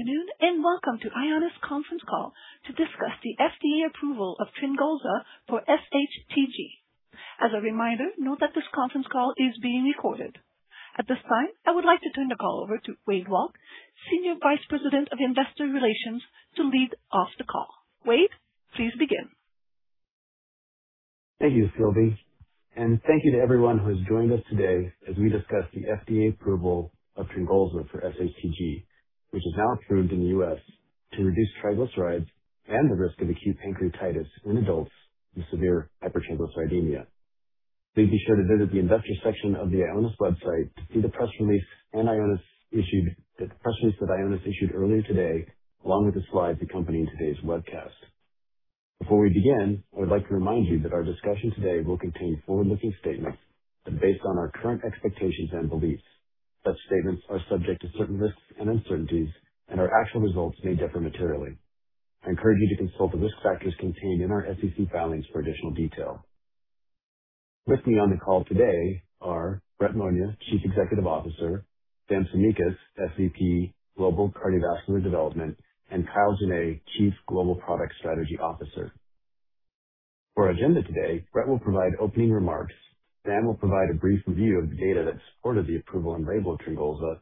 Good afternoon. Welcome to Ionis conference call to discuss the FDA approval of TRYNGOLZA for sHTG. As a reminder, note that this conference call is being recorded. At this time, I would like to turn the call over to Wade Walke, Senior Vice President of Investor Relations, to lead off the call. Wade, please begin. Thank you, Sylvie. Thank you to everyone who has joined us today as we discuss the FDA approval of TRYNGOLZA for sHTG, which is now approved in the U.S. to reduce triglycerides and the risk of acute pancreatitis in adults with severe hypertriglyceridemia. Please be sure to visit the investor section of the Ionis website to see the press release that Ionis issued earlier today, along with the slides accompanying today's webcast. Before we begin, I would like to remind you that our discussion today will contain forward-looking statements that are based on our current expectations and beliefs. Such statements are subject to certain risks and uncertainties, and our actual results may differ materially. I encourage you to consult the risk factors contained in our SEC filings for additional detail. With me on the call today are Brett Monia, Chief Executive Officer, Sam Tsimikas, SVP, Global Cardiovascular Development, and Kyle Jenne, Chief Global Product Strategy Officer. For our agenda today, Brett will provide opening remarks. Sam will provide a brief review of the data that supported the approval and label of TRYNGOLZA.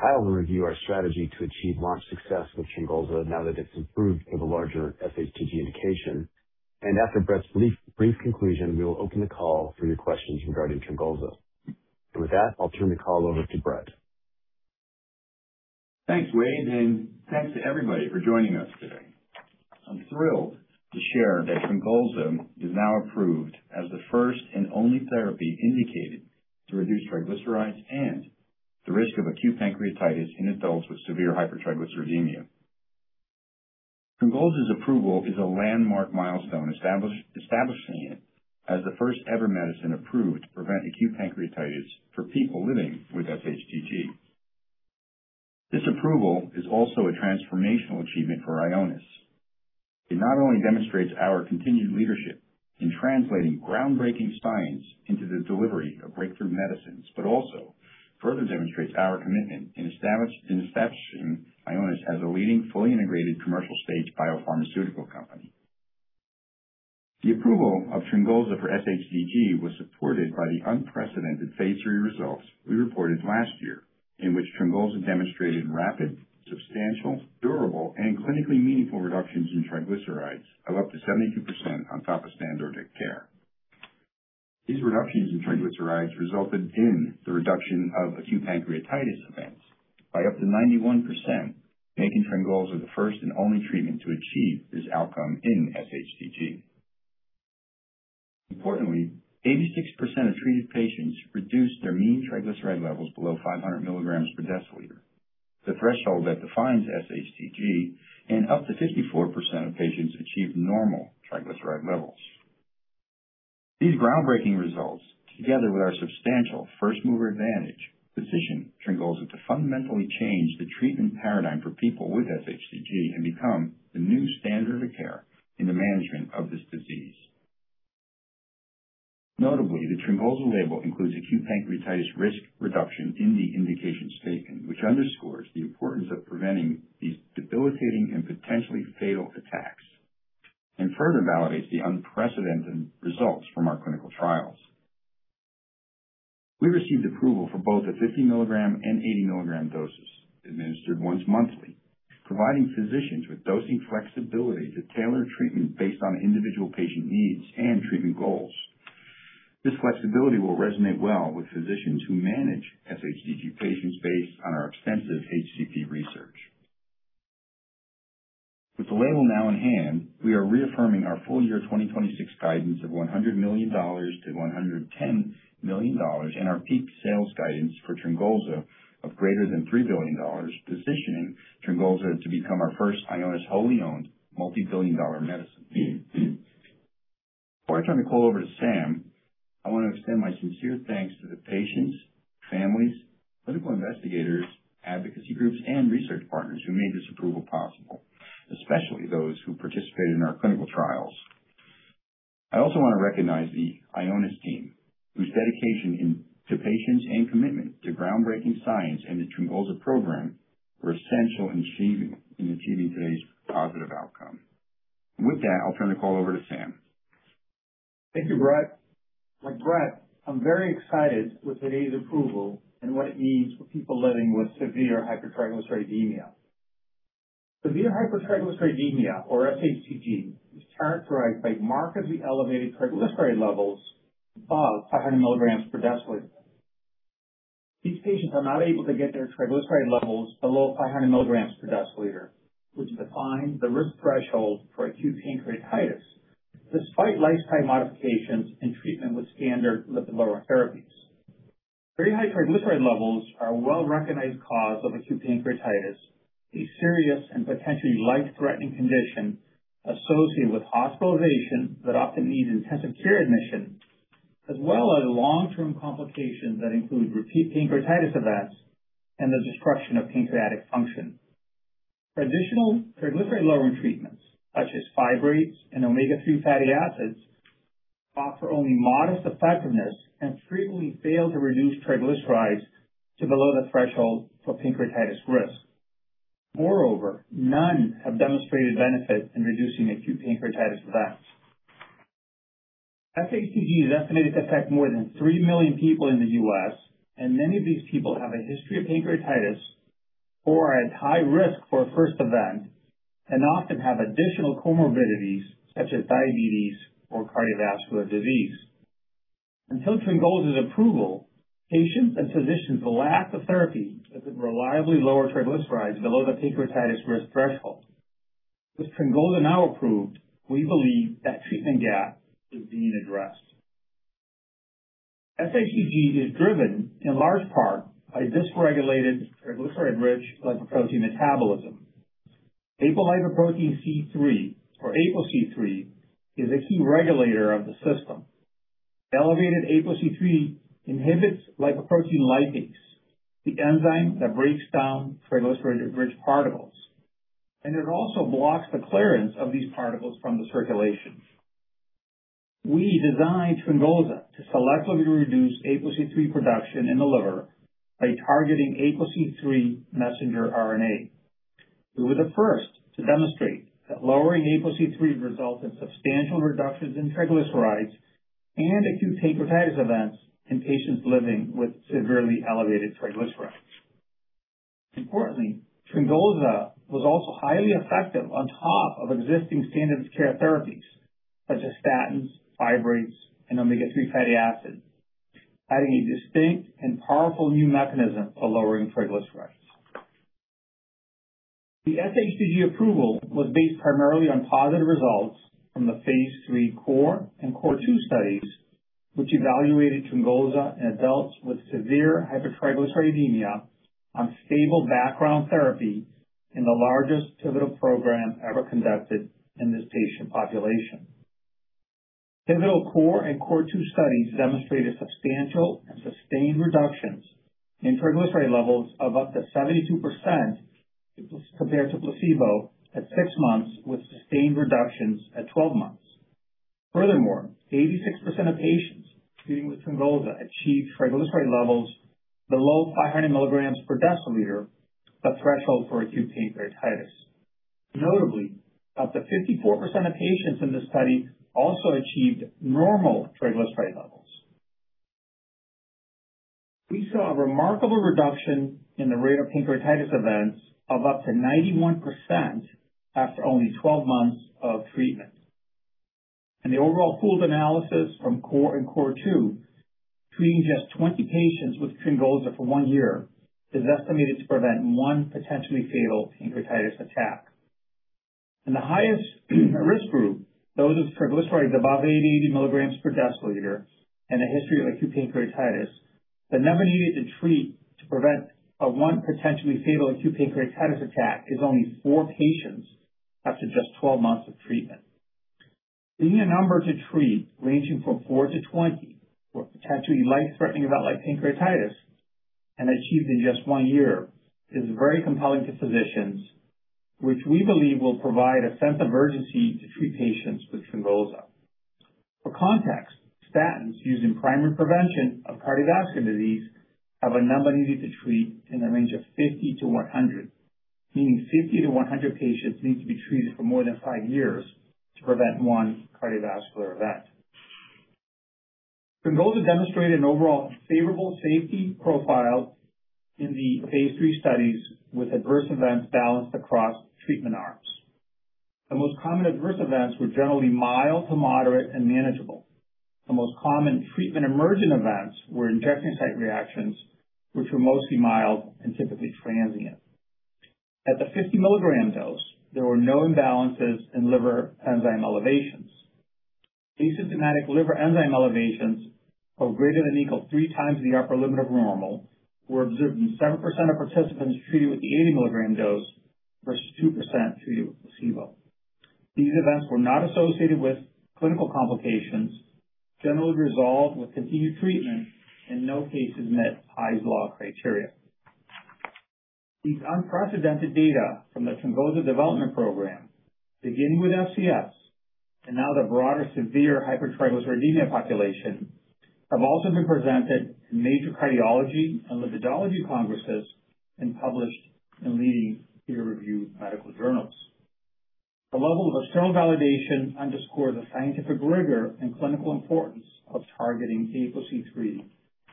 Kyle will review our strategy to achieve launch success with TRYNGOLZA now that it's approved for the larger sHTG indication. After Brett's brief conclusion, we will open the call for your questions regarding TRYNGOLZA. With that, I'll turn the call over to Brett. Thanks, Wade. Thanks to everybody for joining us today. I'm thrilled to share that TRYNGOLZA is now approved as the first and only therapy indicated to reduce triglycerides and the risk of acute pancreatitis in adults with severe hypertriglyceridemia. TRYNGOLZA's approval is a landmark milestone establishing it as the first-ever medicine approved to prevent acute pancreatitis for people living with sHTG. This approval is also a transformational achievement for Ionis. It not only demonstrates our continued leadership in translating groundbreaking science into the delivery of breakthrough medicines, but also further demonstrates our commitment in establishing Ionis as a leading, fully integrated commercial-stage biopharmaceutical company. The approval of TRYNGOLZA for sHTG was supported by the unprecedented phase III results we reported last year, in which TRYNGOLZA demonstrated rapid, substantial, durable, and clinically meaningful reductions in triglycerides of up to 72% on top of standard of care. These reductions in triglycerides resulted in the reduction of acute pancreatitis events by up to 91%, making TRYNGOLZA the first and only treatment to achieve this outcome in sHTG. Importantly, 86% of treated patients reduced their mean triglyceride levels below 500 mg/dL, the threshold that defines sHTG, and up to 54% of patients achieved normal triglyceride levels. These groundbreaking results, together with our substantial first-mover advantage, position TRYNGOLZA to fundamentally change the treatment paradigm for people with sHTG and become the new standard of care in the management of this disease. Notably, the TRYNGOLZA label includes acute pancreatitis risk reduction in the indications statement, which underscores the importance of preventing these debilitating and potentially fatal attacks, and further validates the unprecedented results from our clinical trials. We received approval for both a 50 mg and 80 mg dosage administered once monthly, providing physicians with dosing flexibility to tailor treatment based on individual patient needs and treatment goals. This flexibility will resonate well with physicians who manage sHTG patients based on our extensive HCP research. With the label now in hand, we are reaffirming our full-year 2026 guidance of $100 million-$110 million and our peak sales guidance for TRYNGOLZA of greater than $3 billion, positioning TRYNGOLZA to become our first Ionis wholly-owned multi-billion dollar medicine. Before I turn the call over to Sam, I want to extend my sincere thanks to the patients, families, clinical investigators, advocacy groups, and research partners who made this approval possible, especially those who participated in our clinical trials. I also want to recognize the Ionis team, whose dedication to patients and commitment to groundbreaking science and the TRYNGOLZA program were essential in achieving today's positive outcome. With that, I'll turn the call over to Sam. Thank you, Brett. Like Brett, I'm very excited with today's approval and what it means for people living with severe hypertriglyceridemia. Severe hypertriglyceridemia, or sHTG, is characterized by markedly elevated triglyceride levels above 500 mg/dL. These patients are not able to get their triglyceride levels below 500 mg/dL, which defines the risk threshold for acute pancreatitis, despite lifestyle modifications and treatment with standard lipid-lowering therapies. Very high triglyceride levels are a well-recognized cause of acute pancreatitis, a serious and potentially life-threatening condition associated with hospitalizations that often need intensive care admission, as well as long-term complications that include repeat pancreatitis events and the destruction of pancreatic function. Traditional triglyceride-lowering treatments, such as fibrates and omega-3 fatty acids offer only modest effectiveness and frequently fail to reduce triglycerides to below the threshold for pancreatitis risk. Moreover, none have demonstrated benefit in reducing acute pancreatitis events. sHTG is estimated to affect more than 3 million people in the U.S., and many of these people have a history of pancreatitis or are at high risk for a first event and often have additional comorbidities such as diabetes or cardiovascular disease. Until TRYNGOLZA's approval, patients and physicians lack the therapy that could reliably lower triglycerides below the pancreatitis risk threshold. With TRYNGOLZA now approved, we believe that treatment gap is being addressed. sHTG is driven in large part by dysregulated triglyceride-rich lipoprotein metabolism. Apolipoprotein C-III, or apoC-III, is a key regulator of the system. Elevated apoC-III inhibits lipoprotein lipase, the enzyme that breaks down triglyceride-rich particles, and it also blocks the clearance of these particles from the circulation. We designed TRYNGOLZA to selectively reduce apoC-III production in the liver by targeting apoC-III messenger RNA. We were the first to demonstrate that lowering apoC-III results in substantial reductions in triglycerides and acute pancreatitis events in patients living with severely elevated triglycerides. Importantly, TRYNGOLZA was also highly effective on top of existing standards of care therapies such as statins, fibrates, and omega-3 fatty acids, adding a distinct and powerful new mechanism for lowering triglycerides. The sHTG approval was based primarily on positive results from the phase III CORE and CORE2 studies, which evaluated TRYNGOLZA in adults with severe hypertriglyceridemia on stable background therapy in the largest pivotal program ever conducted in this patient population. Pivotal CORE and CORE2 studies demonstrated substantial and sustained reductions in triglyceride levels of up to 72% compared to placebo at six months, with sustained reductions at 12 months. Furthermore, 86% of patients treated with TRYNGOLZA achieved triglyceride levels below 500 mg/dL, the threshold for acute pancreatitis. Notably, up to 54% of patients in this study also achieved normal triglyceride levels. We saw a remarkable reduction in the rate of pancreatitis events of up to 91% after only 12 months of treatment. In the overall pooled analysis from CORE and CORE2, treating just 20 patients with TRYNGOLZA for one year is estimated to prevent one potentially fatal pancreatitis attack. In the highest risk group, those with triglycerides above 880 mg/dL and a history of acute pancreatitis, the number needed to treat to prevent a one potentially fatal acute pancreatitis attack is only four patients after just 12 months of treatment. Seeing a number to treat ranging from 4-20 for a potentially life-threatening event like pancreatitis and achieved in just one year is very compelling to physicians, which we believe will provide a sense of urgency to treat patients with TRYNGOLZA. For context, statins used in primary prevention of cardiovascular disease have a number needed to treat in the range of 50-100, meaning 50-100 patients need to be treated for more than five years to prevent one cardiovascular event. TRYNGOLZA demonstrated an overall favorable safety profile in the phase III studies, with adverse events balanced across treatment arms. The most common adverse events were generally mild to moderate and manageable. The most common treatment-emergent events were injection site reactions, which were mostly mild and typically transient. At the 50 mg dose, there were no imbalances in liver enzyme elevations. Asymptomatic liver enzyme elevations of greater than equal three times the upper limit of normal were observed in 7% of participants treated with the 80 mg dose versus 2% treated with placebo. These events were not associated with clinical complications, generally resolved with continued treatment, and no cases met Hy's law criteria. These unprecedented data from the TRYNGOLZA development program, beginning with FCS and now the broader severe hypertriglyceridemia population, have also been presented in major cardiology and lipidology congresses and published in leading peer-reviewed medical journals. The level of external validation underscores the scientific rigor and clinical importance of targeting apoC-III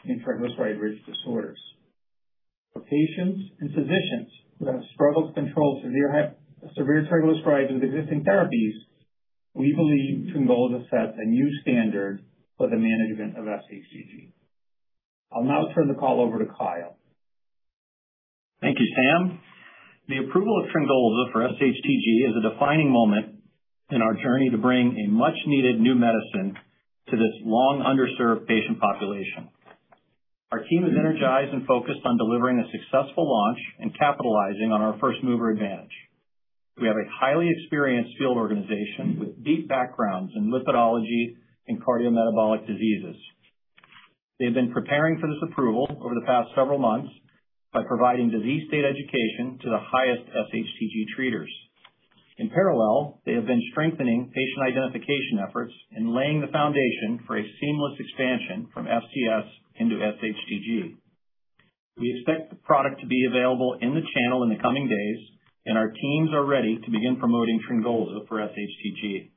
in triglyceride-rich disorders. For patients and physicians who have struggled to control severe triglycerides with existing therapies, we believe TRYNGOLZA sets a new standard for the management of sHTG. I'll now turn the call over to Kyle. Thank you, Sam. The approval of TRYNGOLZA for sHTG is a defining moment in our journey to bring a much-needed new medicine to this long-underserved patient population. Our team is energized and focused on delivering a successful launch and capitalizing on our first-mover advantage. We have a highly experienced field organization with deep backgrounds in lipidology and cardiometabolic diseases. They've been preparing for this approval over the past several months by providing disease state education to the highest sHTG treaters. In parallel, they have been strengthening patient identification efforts and laying the foundation for a seamless expansion from FCS into sHTG. We expect the product to be available in the channel in the coming days, and our teams are ready to begin promoting TRYNGOLZA for sHTG.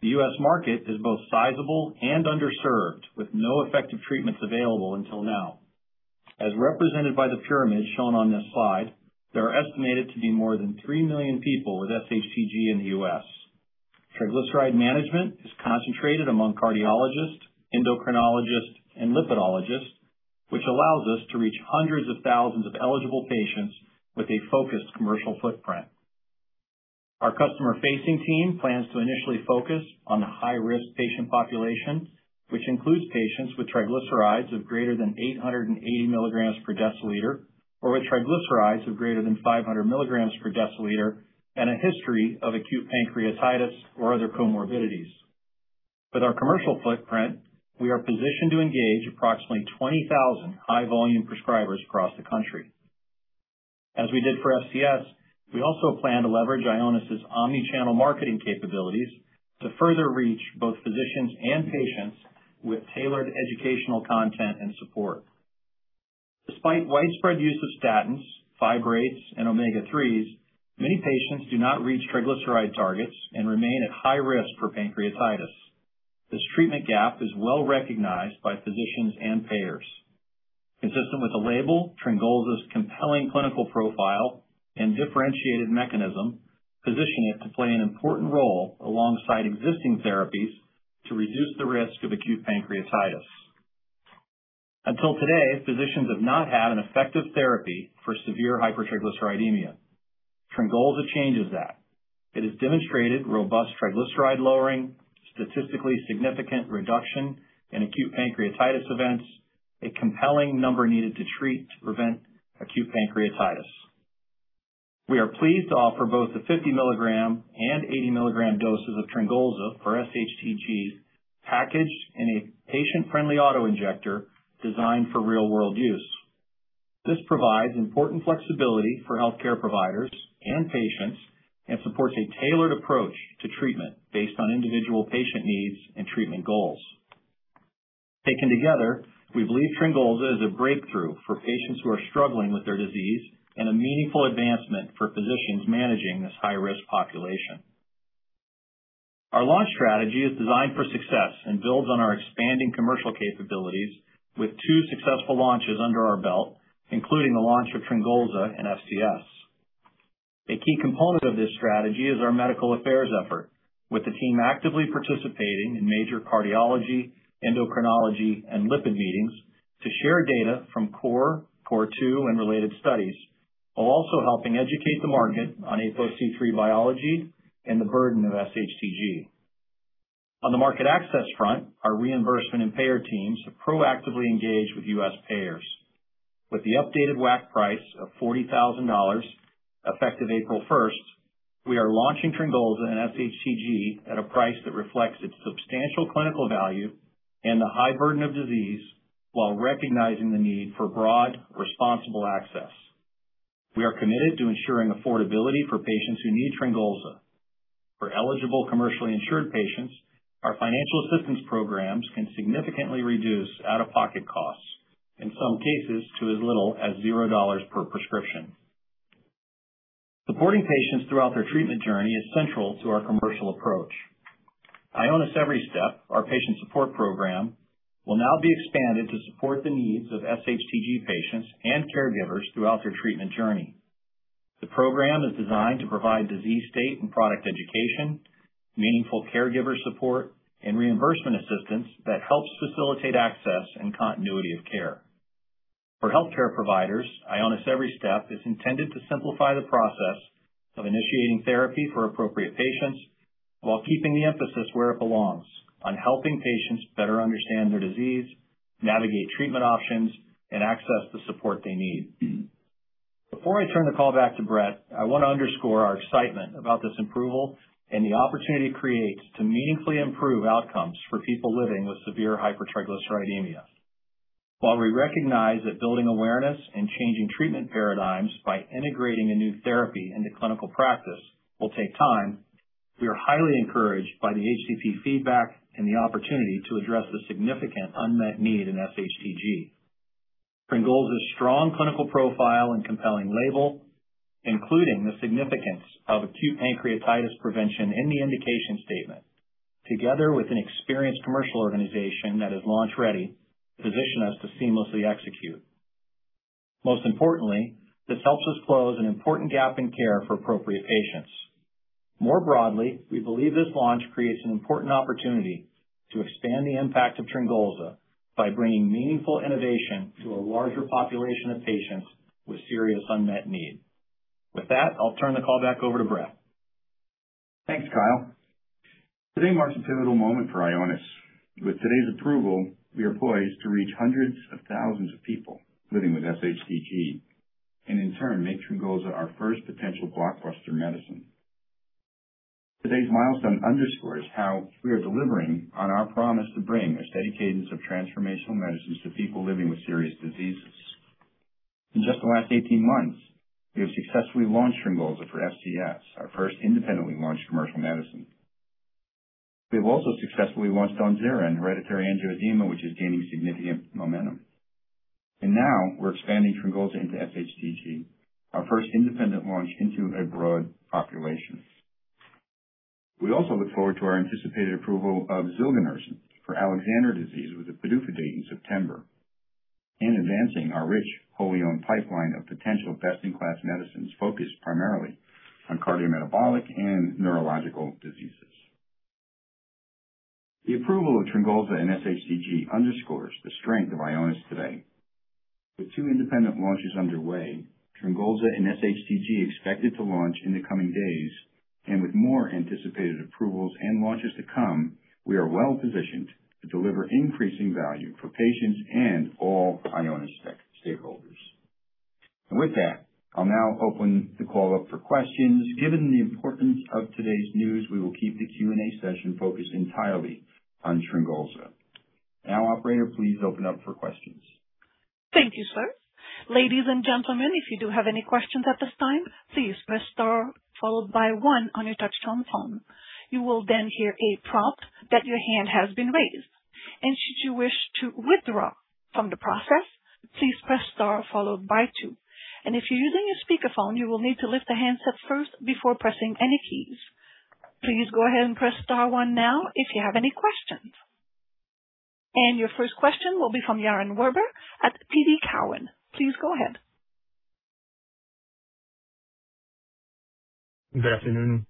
The U.S. market is both sizable and underserved, with no effective treatments available until now. As represented by the pyramid shown on this slide, there are estimated to be more than three million people with sHTG in the U.S. Triglyceride management is concentrated among cardiologists, endocrinologists, and lipidologists, which allows us to reach hundreds of thousands of eligible patients with a focused commercial footprint. Our customer-facing team plans to initially focus on the high-risk patient population, which includes patients with triglycerides of greater than 880 mg/dL, or with triglycerides of greater than 500 mg/dL, and a history of acute pancreatitis or other comorbidities. With our commercial footprint, we are positioned to engage approximately 20,000 high-volume prescribers across the country. As we did for FCS, we also plan to leverage Ionis' omni-channel marketing capabilities to further reach both physicians and patients with tailored educational content and support. Despite widespread use of statins, fibrates, and omega-3s, many patients do not reach triglyceride targets and remain at high risk for pancreatitis. This treatment gap is well-recognized by physicians and payers. Consistent with the label, TRYNGOLZA's compelling clinical profile and differentiated mechanism position it to play an important role alongside existing therapies to reduce the risk of acute pancreatitis. Until today, physicians have not had an effective therapy for severe hypertriglyceridemia. TRYNGOLZA changes that. It has demonstrated robust triglyceride lowering, statistically significant reduction in acute pancreatitis events, a compelling number needed to treat to prevent acute pancreatitis. We are pleased to offer both the 50 mg and 80 mg doses of TRYNGOLZA for sHTG, packaged in a patient-friendly auto-injector designed for real-world use. This provides important flexibility for healthcare providers and patients and supports a tailored approach to treatment based on individual patient needs and treatment goals. Taken together, we believe TRYNGOLZA is a breakthrough for patients who are struggling with their disease and a meaningful advancement for physicians managing this high-risk population. Our launch strategy is designed for success and builds on our expanding commercial capabilities with two successful launches under our belt, including the launch of TRYNGOLZA and FCS. A key component of this strategy is our medical affairs effort, with the team actively participating in major cardiology, endocrinology, and lipid meetings to share data from CORE, CORE2, and related studies, while also helping educate the market on apoC-III biology and the burden of sHTG. On the market access front, our reimbursement and payer teams have proactively engaged with U.S. payers. With the updated WAC price of $40,000 effective April 1st, we are launching TRYNGOLZA and sHTG at a price that reflects its substantial clinical value and the high burden of disease, while recognizing the need for broad, responsible access. We are committed to ensuring affordability for patients who need TRYNGOLZA. For eligible commercially insured patients, our financial assistance programs can significantly reduce out-of-pocket costs, in some cases to as little as $0 per prescription. Supporting patients throughout their treatment journey is central to our commercial approach. Ionis Every Step, our patient support program, will now be expanded to support the needs of sHTG patients and caregivers throughout their treatment journey. The program is designed to provide disease state and product education, meaningful caregiver support, and reimbursement assistance that helps facilitate access and continuity of care. For healthcare providers, Ionis Every Step is intended to simplify the process of initiating therapy for appropriate patients while keeping the emphasis where it belongs, on helping patients better understand their disease, navigate treatment options, and access the support they need. Before I turn the call back to Brett, I want to underscore our excitement about this approval and the opportunity it creates to meaningfully improve outcomes for people living with severe hypertriglyceridemia. While we recognize that building awareness and changing treatment paradigms by integrating a new therapy into clinical practice will take time, we are highly encouraged by the HCP feedback and the opportunity to address the significant unmet need in sHTG. TRYNGOLZA's strong clinical profile and compelling label, including the significance of acute pancreatitis prevention in the indication statement, together with an experienced commercial organization that is launch-ready, position us to seamlessly execute. Most importantly, this helps us close an important gap in care for appropriate patients. More broadly, we believe this launch creates an important opportunity to expand the impact of TRYNGOLZA by bringing meaningful innovation to a larger population of patients with serious unmet need. With that, I'll turn the call back over to Brett. Thanks, Kyle. Today marks a pivotal moment for Ionis. With today's approval, we are poised to reach hundreds of thousands of people living with sHTG, and in turn, make TRYNGOLZA our first potential blockbuster medicine. Today's milestone underscores how we are delivering on our promise to bring a steady cadence of transformational medicines to people living with serious diseases. In just the last 18 months, we have successfully launched TRYNGOLZA for FCS, our first independently launched commercial medicine. We have also successfully launched DAWNZERA for hereditary angioedema, which is gaining significant momentum. Now we're expanding TRYNGOLZA into sHTG, our first independent launch into a broad population. We also look forward to our anticipated approval of zilganersen for Alexander disease, with a PDUFA date in September, and advancing our rich, wholly-owned pipeline of potential best-in-class medicines focused primarily on cardiometabolic and neurological diseases. The approval of TRYNGOLZA in sHTG underscores the strength of Ionis today. With two independent launches underway, TRYNGOLZA in sHTG expected to launch in the coming days, with more anticipated approvals and launches to come, we are well-positioned to deliver increasing value for patients and all Ionis stakeholders. With that, I'll now open the call up for questions. Given the importance of today's news, we will keep the Q&A session focused entirely on TRYNGOLZA. Operator, please open up for questions. Thank you, sir. Ladies and gentlemen, if you do have any questions at this time, please press star followed by one on your touch-tone phone. You will then hear a prompt that your hand has been raised. Should you wish to withdraw from the process, please press star followed by two. If you're using a speakerphone, you will need to lift the handset first before pressing any keys. Please go ahead and press star one now if you have any questions. Your first question will be from Yaron Werber at TD Cowen. Please go ahead. Good afternoon,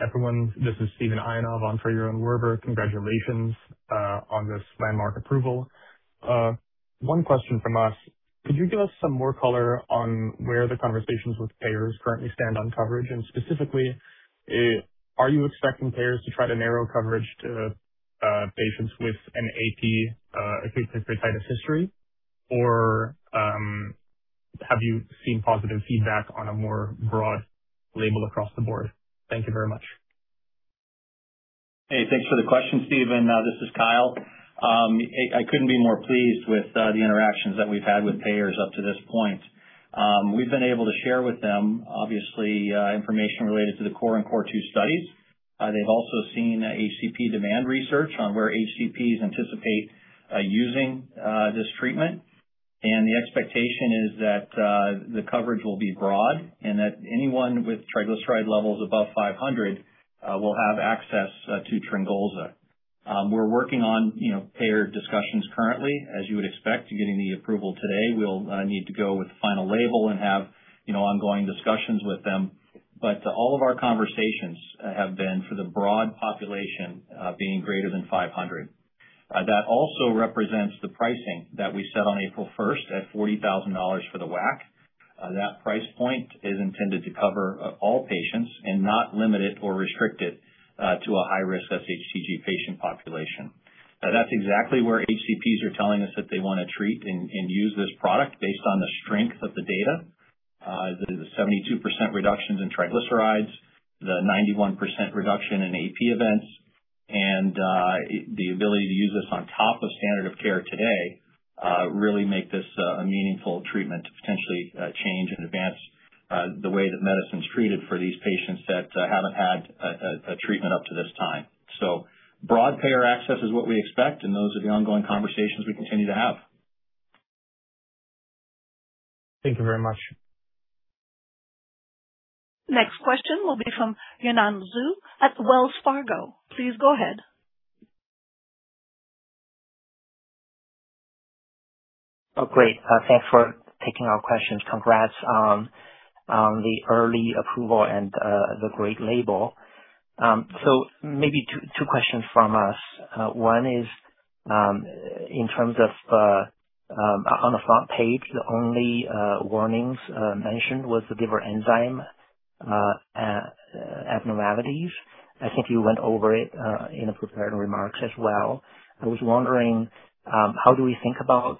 everyone. This is Steven Ionov on for Yaron Werber. Congratulations on this landmark approval. One question from us. Could you give us some more color on where the conversations with payers currently stand on coverage? Specifically, are you expecting payers to try to narrow coverage to patients with an acute pancreatitis history? Have you seen positive feedback on a more broad label across the board? Thank you very much. Hey, thanks for the question, Steven. This is Kyle. I couldn't be more pleased with the interactions that we've had with payers up to this point. We've been able to share with them, obviously, information related to the CORE and CORE2 studies. They've also seen HCP demand research on where HCPs anticipate using this treatment. The expectation is that the coverage will be broad and that anyone with triglyceride levels above 500 mg/dL will have access to TRYNGOLZA. We're working on payer discussions currently. As you would expect, getting the approval today, we'll need to go with the final label and have ongoing discussions with them. All of our conversations have been for the broad population being greater than 500 mg/dL. That also represents the pricing that we set on April 1st at $40,000 for the WAC. That price point is intended to cover all patients and not limit it or restrict it to a high-risk sHTG patient population. That's exactly where HCPs are telling us that they want to treat and use this product based on the strength of the data. The 72% reductions in triglycerides, the 91% reduction in AP events, and the ability to use this on top of standard of care today really make this a meaningful treatment to potentially change and advance the way that medicine's treated for these patients that haven't had a treatment up to this time. Broad payer access is what we expect, and those are the ongoing conversations we continue to have. Thank you very much. Next question will be from Yanan Zhu at Wells Fargo. Please go ahead. Great. Thanks for taking our questions. Congrats on the early approval and the great label. Maybe two questions from us. One is, in terms of on the front page, the only warnings mentioned was the liver enzyme abnormalities. I think you went over it in the prepared remarks as well. I was wondering how do we think about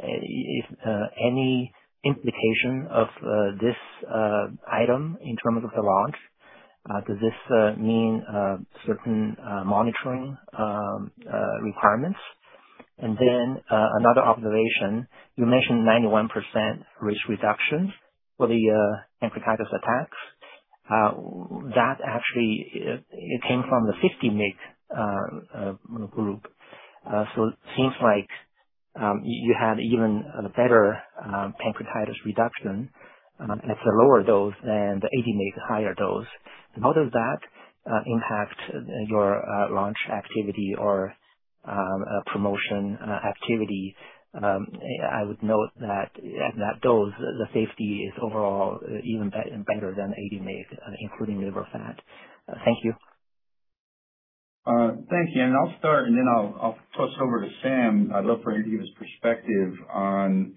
any implication of this item in terms of the launch? Does this mean certain monitoring requirements? Another observation. You mentioned 91% risk reduction for the pancreatitis attacks. That actually came from the 50 mg group. It seems like you had even better pancreatitis reduction at the lower dose than the 80 mg higher dose. How does that impact your launch activity or promotion activity? I would note that at that dose, the safety is overall even better than 80 mg, including liver fat. Thank you. Thank you. I'll start, then I'll toss it over to Sam. I'd love for him to give his perspective on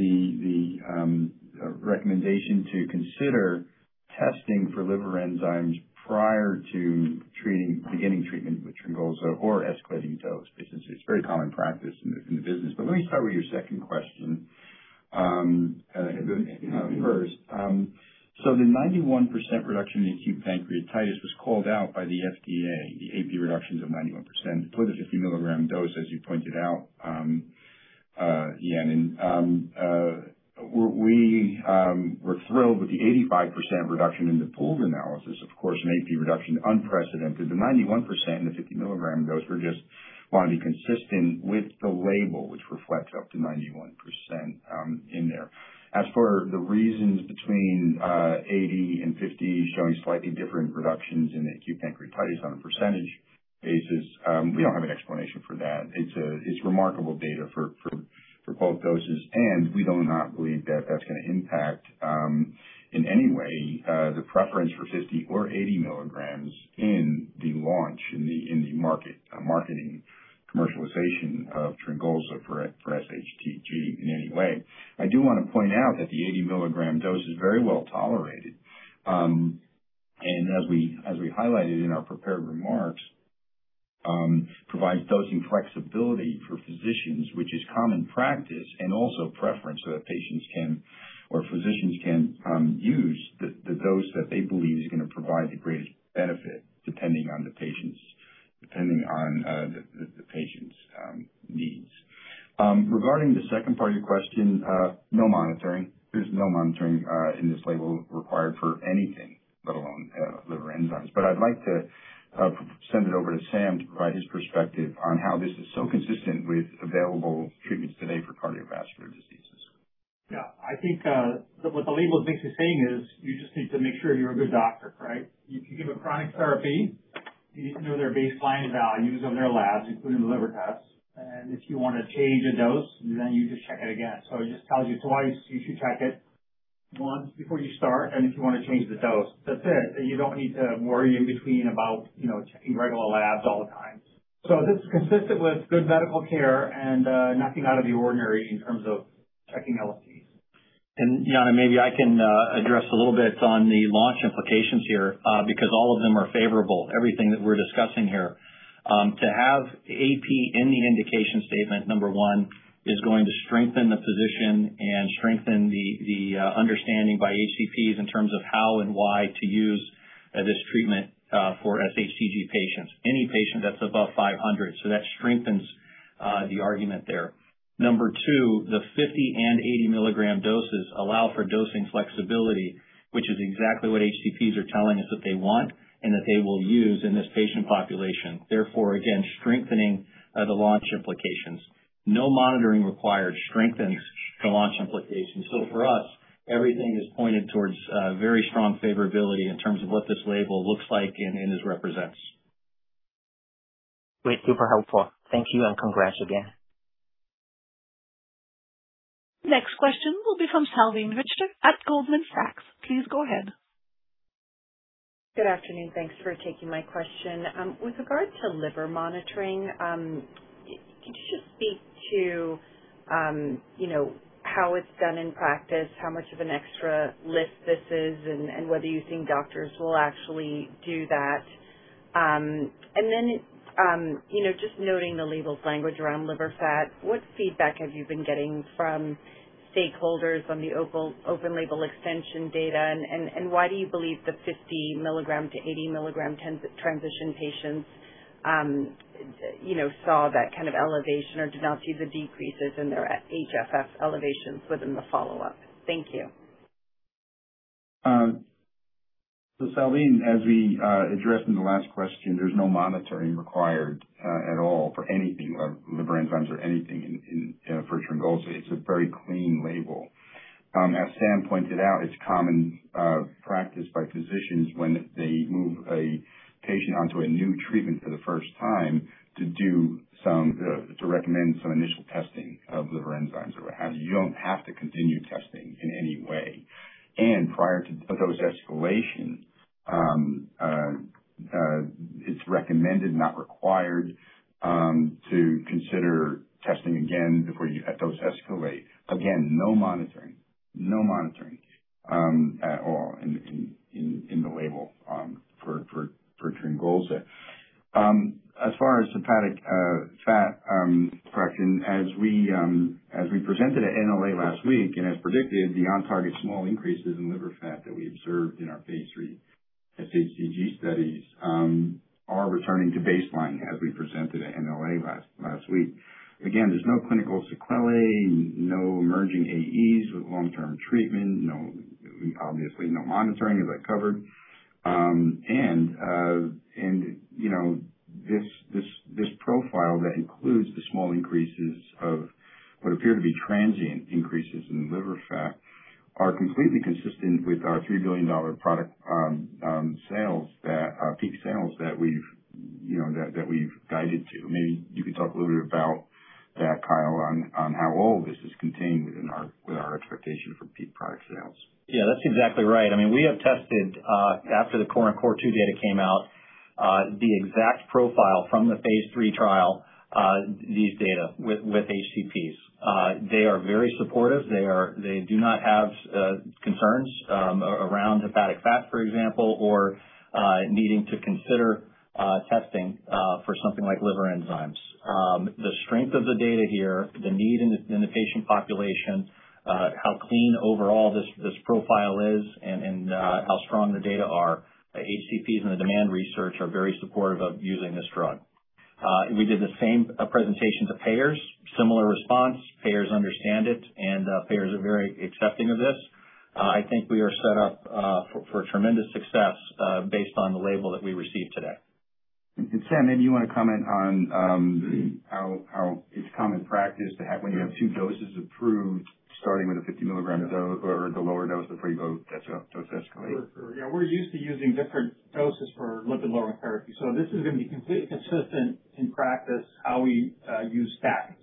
the recommendation to consider testing for liver enzymes prior to beginning treatment with TRYNGOLZA or escalating dose. It's very common practice in the business. Let me start with your second question first. The 91% reduction in acute pancreatitis was called out by the FDA, the AP reductions of 91% for the 50 mg dose, as you pointed out, Yanan. We're thrilled with the 85% reduction in the pooled analysis. Of course, an AP reduction unprecedented. The 91% in the 50 mg dose were just wanting to be consistent with the label, which reflects up to 91% in there. As for the reasons between 80 mg and 50 mg showing slightly different reductions in acute pancreatitis on a percentage basis, we don't have an explanation for that. It's remarkable data for both doses. We do not believe that's going to impact, in any way, the preference for 50 mg or 80 mg in the launch, in the marketing, commercialization of TRYNGOLZA for sHTG in any way. I do want to point out that the 80 mg dose is very well tolerated. As we highlighted in our prepared remarks, provides dosing flexibility for physicians, which is common practice and also preference so that physicians can use the dose that they believe is going to provide the greatest benefit, depending on the patient's needs. Regarding the second part of your question, no monitoring. There's no monitoring in this label required for anything, let alone liver enzymes. I'd like to send it over to Sam to provide his perspective on how this is so consistent with available treatments today for cardiovascular diseases. I think what the label is basically saying is you just need to make sure you're a good doctor, right? If you give a chronic therapy, you need to know their baseline values of their labs, including the liver tests. If you want to change a dose, then you just check it again. It just tells you twice you should check it, once before you start and if you want to change the dose. That's it. You don't need to worry in between about checking regular labs all the time. This is consistent with good medical care and nothing out of the ordinary in terms of checking LFTs. Yanan, maybe I can address a little bit on the launch implications here because all of them are favorable, everything that we're discussing here. To have AP in the indication statement, number one, is going to strengthen the position and strengthen the understanding by HCPs in terms of how and why to use this treatment for sHTG patients, any patient that's above 500 mg/dL. That strengthens the argument there. Number two, the 50 mg and 80 mg doses allow for dosing flexibility, which is exactly what HCPs are telling us that they want and that they will use in this patient population, therefore, again, strengthening the launch implications. No monitoring required strengthens the launch implications. For us, everything is pointed towards very strong favorability in terms of what this label looks like and as represents. Great. Super helpful. Thank you, and congrats again. Next question will be from Salveen Richter at Goldman Sachs. Please go ahead. Good afternoon. Thanks for taking my question. With regard to liver monitoring, could you just speak to how it's done in practice, how much of an extra lift this is, and whether you think doctors will actually do that? Then just noting the label's language around liver fat, what feedback have you been getting from stakeholders on the open label extension data? Why do you believe the 50 mg to 80 mg transition patients saw that kind of elevation or did not see the decreases in their HFF elevations within the follow-up? Thank you. Salveen, as we addressed in the last question, there's no monitoring required at all for anything, liver enzymes or anything for TRYNGOLZA. It's a very clean label. As Sam pointed out, it's common practice by physicians when they move a patient onto a new treatment for the first time to recommend some initial testing of liver enzymes. You don't have to continue testing in any way. Prior to dose escalation, it's recommended, not required, to consider testing again before you dose escalate. Again, no monitoring. No monitoring at all in the label for TRYNGOLZA. As far as hepatic fat progression, as we presented at NLA last week and as predicted, the on-target small increases in liver fat that we observed in our phase III sHTG studies are returning to baseline as we presented at NLA last week. Again, there's no clinical sequelae, no emerging AEs with long-term treatment, obviously no monitoring as I covered. This profile that includes the small increases of what appear to be transient increases in liver fat are completely consistent with our $3 billion product peak sales that we've guided to. Maybe you could talk a little bit about that, Kyle, on how all this is contained with our expectation for peak product sales. Yeah, that's exactly right. We have tested after the CORE and CORE2 data came out. The exact profile from the phase III trial, these data with HCPs. They are very supportive. They do not have concerns around hepatic fat, for example, or needing to consider testing for something like liver enzymes. The strength of the data here, the need in the patient population, how clean overall this profile is and how strong the data are. The HCPs and the demand research are very supportive of using this drug. We did the same presentation to payers, similar response. Payers understand it, payers are very accepting of this. I think we are set up for tremendous success based on the label that we received today. Sam, you want to comment on how it's common practice to have when you have two doses approved, starting with a 50 mg dose or the lower dose of previous that's dosage correct? Sure. Yeah. We're used to using different doses for lipid-lowering therapy. This is going to be completely consistent in practice how we use statins.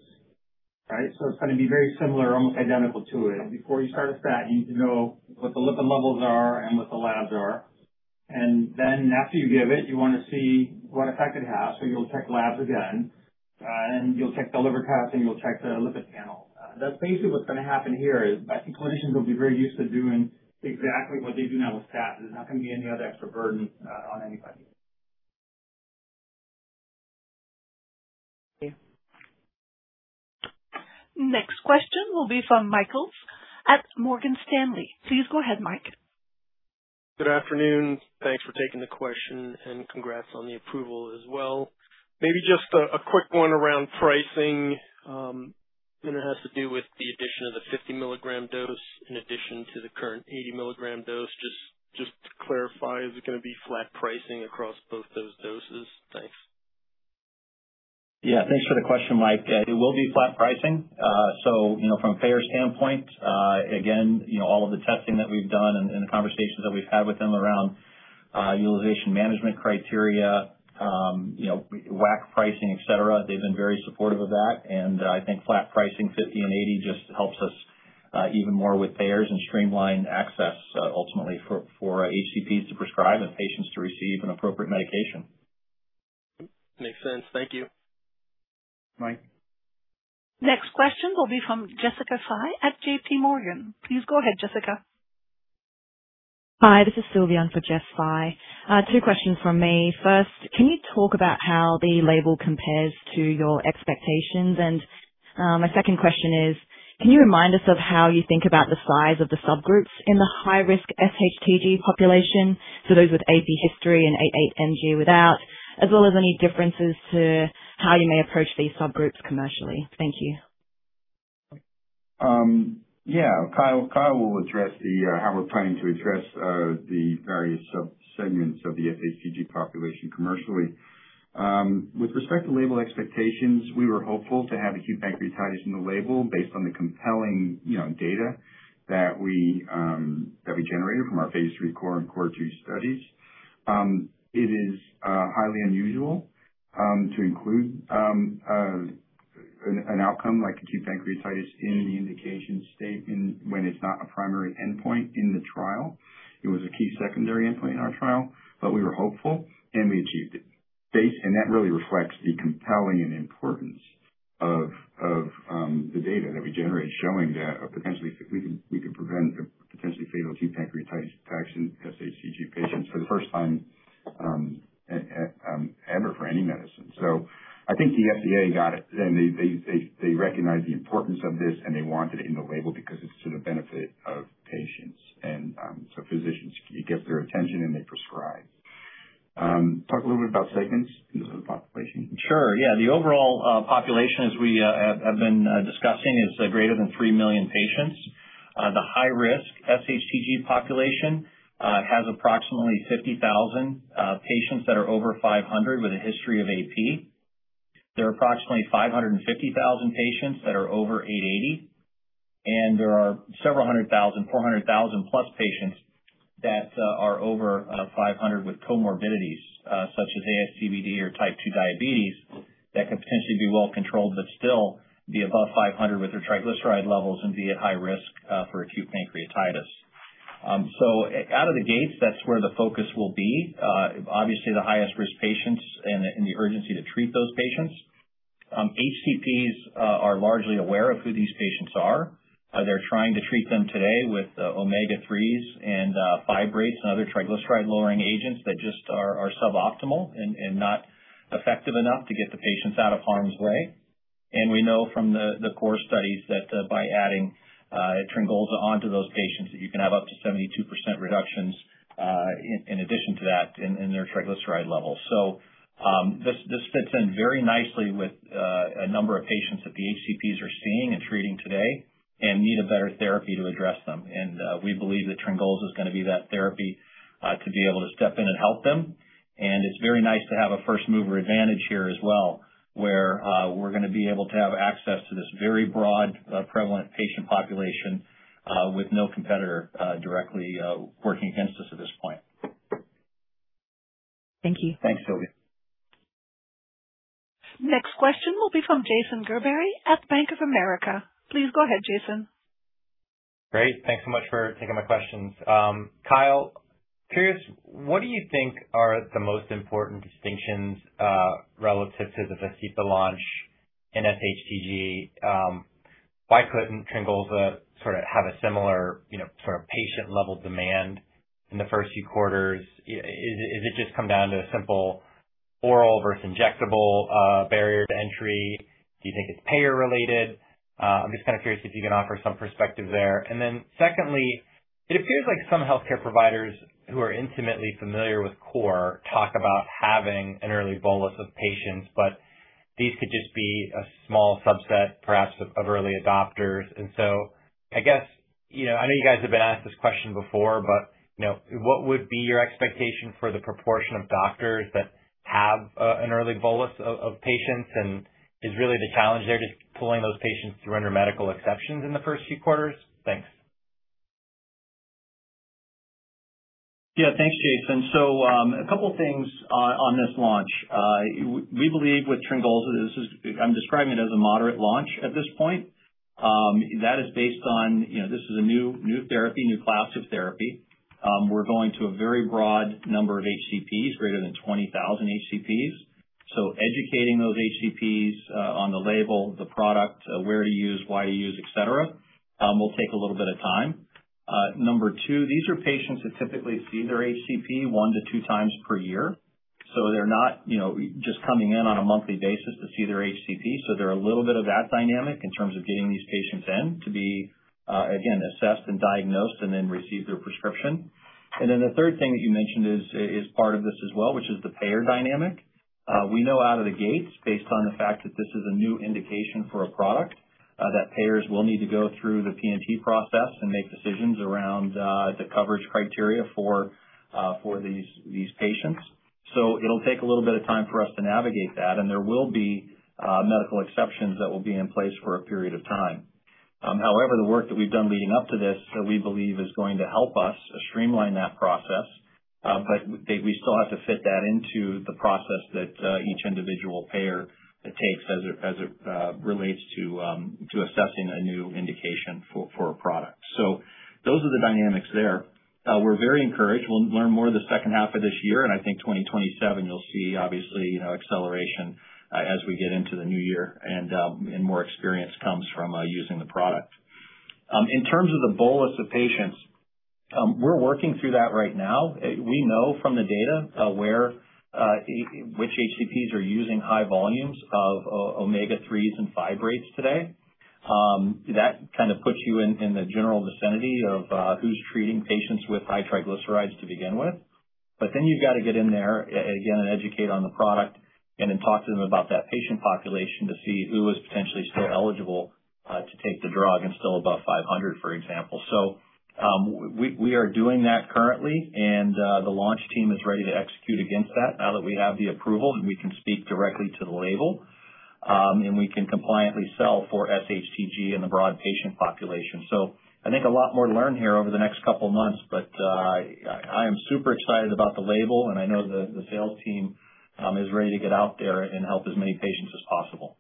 It's going to be very similar, almost identical to it. Before you start a statin, you need to know what the lipid levels are and what the labs are. Then after you give it, you want to see what effect it has. You'll check labs again, and you'll check the liver path, and you'll check the lipid panel. That's basically what's going to happen here is I think clinicians will be very used to doing exactly what they do now with statins. There's not going to be any other extra burden on anybody. Okay. Next question will be from Mike Ulz at Morgan Stanley. Please go ahead, Mike. Good afternoon. Thanks for taking the question and congrats on the approval as well. Maybe just a quick one around pricing, it has to do with the addition of the 50 mg dose in addition to the current 80 mg dose. Just to clarify, is it going to be flat pricing across both those doses? Thanks. Yeah. Thanks for the question, Mike. It will be flat pricing. From a payer standpoint, again all of the testing that we've done and the conversations that we've had with them around utilization management criteria, WAC pricing, et cetera, they've been very supportive of that, I think flat pricing 50 mg and 80 mg just helps us even more with payers and streamline access ultimately for HCPs to prescribe and patients to receive an appropriate medication. Makes sense. Thank you. Bye. Next question will be from Jessica Fye at JPMorgan. Please go ahead, Jessica. Hi, this is Sylvia for Jess Fye. Two questions from me. First, can you talk about how the label compares to your expectations? My second question is, can you remind us of how you think about the size of the subgroups in the high-risk sHTG population, so those with AP history and those without, as well as any differences to how you may approach these subgroups commercially? Thank you. Yeah. Kyle will address how we're planning to address the various subsegments of the sHTG population commercially. With respect to label expectations, we were hopeful to have acute pancreatitis in the label based on the compelling data that we generated from our phase III CORE and CORE2 studies. It is highly unusual to include an outcome like acute pancreatitis in the indication statement when it's not a primary endpoint in the trial. It was a key secondary endpoint in our trial, but we were hopeful, and we achieved it. That really reflects the compelling importance of the data that we generate showing that we could prevent a potentially fatal acute pancreatitis attacks in sHTG patients for the first time ever for any medicine. I think the FDA got it, they recognized the importance of this, and they want it in the label because it's to the benefit of patients. Physicians, it gets their attention, and they prescribe. Talk a little bit about segments in the population. Sure, yeah. The overall population, as we have been discussing, is greater than 3 million patients. The high risk sHTG population has approximately 50,000 patients that are over 500 mg/dL with a history of AP. There are approximately 550,000 patients that are over 880 mg/dL, and there are several hundred thousand, 400,000+patients that are over 500 mg/dL with comorbidities such as ASCVD or Type 2 diabetes that could potentially be well controlled, but still be above 500 mg/dL with their triglyceride levels and be at high risk for acute pancreatitis. Out of the gates, that's where the focus will be. Obviously, the highest risk patients and the urgency to treat those patients. HCPs are largely aware of who these patients are. They're trying to treat them today with omega-3s and fibrates and other triglyceride-lowering agents that just are suboptimal and not effective enough to get the patients out of harm's way. We know from the CORE studies that by adding TRYNGOLZA onto those patients, that you can have up to 72% reductions in addition to that in their triglyceride levels. This fits in very nicely with a number of patients that the HCPs are seeing and treating today and need a better therapy to address them. We believe that TRYNGOLZA is going to be that therapy to be able to step in and help them. It's very nice to have a first-mover advantage here as well, where we're going to be able to have access to this very broad, prevalent patient population with no competitor directly working against us at this point. Thank you. Thanks, Sylvia. Next question will be from Jason Gerberry at Bank of America. Please go ahead, Jason. Great. Thanks so much for taking my questions. Kyle, curious, what do you think are the most important distinctions relative to the VASCEPA launch in sHTG? Why couldn't TRYNGOLZA have a similar patient-level demand in the first few quarters? Is it just come down to a simple oral versus injectable barrier to entry? Do you think it's payer-related? I'm just kind of curious if you can offer some perspective there. Secondly, it appears like some healthcare providers who are intimately familiar with CORE talk about having an early bolus of patients, but these could just be a small subset, perhaps, of early adopters. I guess, I know you guys have been asked this question before, but what would be your expectation for the proportion of doctors that have an early bolus of patients, and is really the challenge there just pulling those patients through under medical exceptions in the first few quarters? Thanks. Yeah. Thanks, Jason. A couple things on this launch. We believe with TRYNGOLZA, I'm describing it as a moderate launch at this point. That is based on this is a new therapy, new class of therapy. We're going to a very broad number of HCPs, greater than 20,000 HCPs. Educating those HCPs on the label, the product, where to use, why to use, et cetera, will take a little bit of time. Number two, these are patients that typically see their HCP one to two times per year. They're not just coming in on a monthly basis to see their HCP. They're a little bit of that dynamic in terms of getting these patients in to be, again, assessed and diagnosed and then receive their prescription. The third thing that you mentioned is part of this as well, which is the payer dynamic. We know out of the gates, based on the fact that this is a new indication for a product, that payers will need to go through the P&T process and make decisions around the coverage criteria for these patients. It'll take a little bit of time for us to navigate that, and there will be medical exceptions that will be in place for a period of time. However, the work that we've done leading up to this, we believe is going to help us streamline that process. We still have to fit that into the process that each individual payer takes as it relates to assessing a new indication for a product. Those are the dynamics there. We're very encouraged. We'll learn more the second half of this year, I think 2027, you'll see obviously acceleration as we get into the new year and more experience comes from using the product. In terms of the bolus of patients, we're working through that right now. We know from the data which HCPs are using high volumes of omega-3s and fibrates today. That kind of puts you in the general vicinity of who's treating patients with high triglycerides to begin with. You've got to get in there, again, and educate on the product and then talk to them about that patient population to see who is potentially still eligible to take the drug and still above 500 mg/dL, for example. We are doing that currently, the launch team is ready to execute against that now that we have the approval, we can speak directly to the label, we can compliantly sell for sHTG in the broad patient population. I think a lot more to learn here over the next couple of months. I am super excited about the label, I know the sales team is ready to get out there and help as many patients as possible.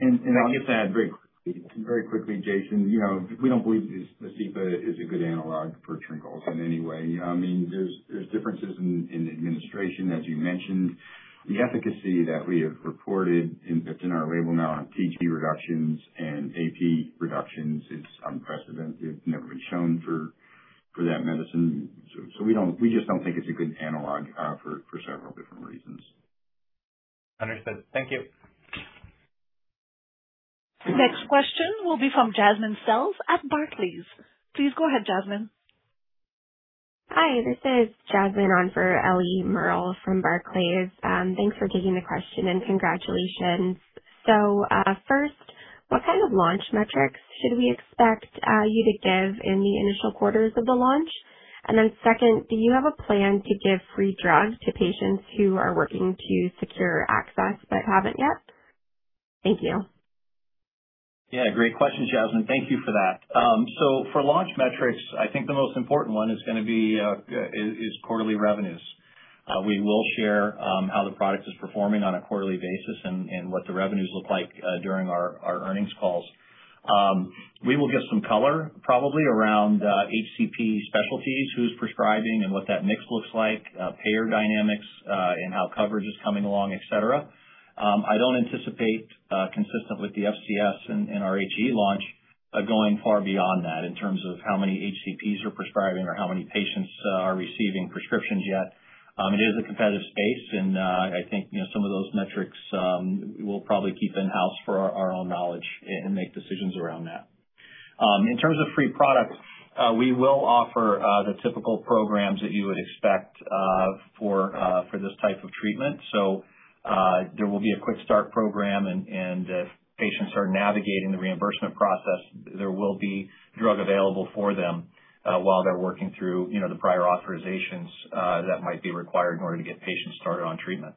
I'll just add very quickly, Jason, we don't believe VASCEPA is a good analog for TRYNGOLZA in any way. There's differences in the administration, as you mentioned. The efficacy that we have reported that's in our label now on TG reductions and AP reductions is unprecedented. Never been shown for that medicine. We just don't think it's a good analog for several different reasons. Understood. Thank you. Next question will be from Jasmine Fels at Barclays. Please go ahead, Jasmine. Hi, this is Jasmine on for Ellie Merle from Barclays. Thanks for taking the question and congratulations. First, what kind of launch metrics should we expect you to give in the initial quarters of the launch? Then second, do you have a plan to give free drugs to patients who are working to secure access but haven't yet? Thank you. Great question, Jasmine. Thank you for that. For launch metrics, I think the most important one is going to be quarterly revenues. We will share how the product is performing on a quarterly basis and what the revenues look like during our earnings calls. We will give some color probably around HCP specialties, who's prescribing and what that mix looks like, payer dynamics and how coverage is coming along, et cetera. I don't anticipate, consistent with the FCS and our HAE launch going far beyond that in terms of how many HCPs are prescribing or how many patients are receiving prescriptions yet. It is a competitive space and I think some of those metrics we'll probably keep in-house for our own knowledge and make decisions around that. In terms of free product, we will offer the typical programs that you would expect for this type of treatment. There will be a quick start program and if patients are navigating the reimbursement process, there will be drug available for them while they're working through the prior authorizations that might be required in order to get patients started on treatment.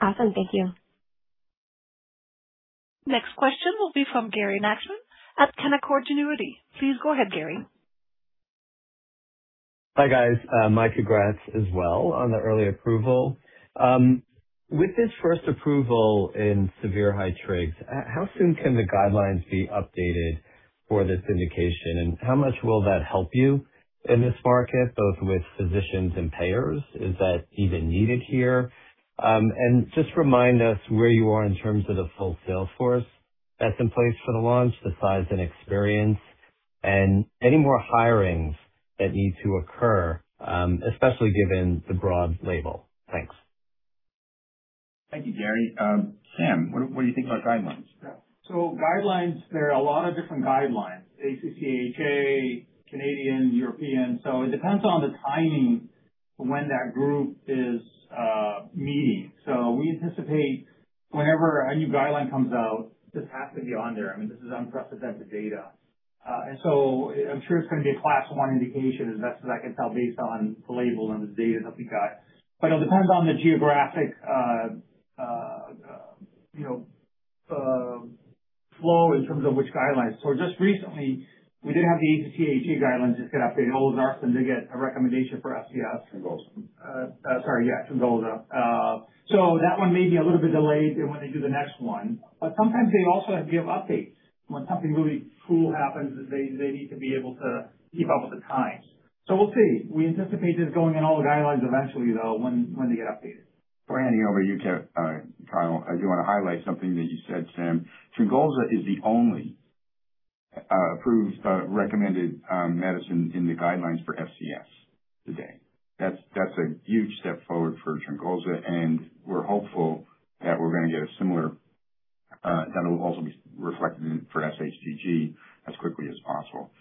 Awesome. Thank you. Next question will be from Gary Nachman at Canaccord Genuity. Please go ahead, Gary. Hi, guys. My congrats as well on the early approval. With this first approval in severe high trigs, how soon can the guidelines be updated for this indication, and how much will that help you in this market, both with physicians and payers? Is that even needed here? Just remind us where you are in terms of the full sales force that's in place for the launch, the size and experience, and any more hirings that need to occur, especially given the broad label. Thanks. Thank you, Gary. Sam, what do you think about guidelines? Yeah. Guidelines, there are a lot of different guidelines, ACC, AHA, Canadian, European. It depends on the timing when that group is meeting. We anticipate whenever a new guideline comes out, this has to be on there. This is unprecedented data. I'm sure it's going to be a Class 1 indication, as best as I can tell based on the label and the data that we got. It depends on the geographic flow in terms of which guidelines. Just recently, we did have the ACC, AHA guidelines just got updated, and TRYNGOLZA seemed to get a recommendation for FCS. TRYNGOLZA. Sorry, yeah, TRYNGOLZA. That one may be a little bit delayed than when they do the next one. Sometimes they also give updates when something really cool happens, that they need to be able to keep up with the times. We'll see. We anticipate this going in all the guidelines eventually, though, when they get updated. Before handing over you to Kyle, I do want to highlight something that you said, Sam. TRYNGOLZA is the only approved recommended medicine in the guidelines for FCS today. That's a huge step forward for TRYNGOLZA. We're hopeful that we're going to get a similar, that it will also be reflected for sHTG as quickly as possible.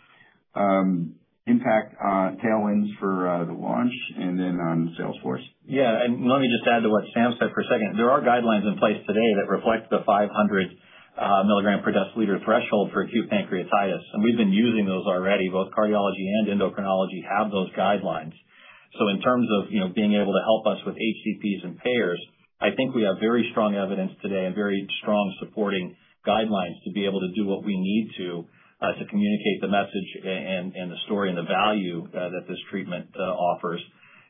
Impact on tailwinds for the launch and then on sales force. Yeah. Let me just add to what Sam said for a second. There are guidelines in place today that reflect the 500 mg/dL threshold for acute pancreatitis, and we've been using those already. Both cardiology and endocrinology have those guidelines. In terms of being able to help us with HCPs and payers, I think we have very strong evidence today and very strong supporting guidelines to be able to do what we need to communicate the message and the story and the value that this treatment offers.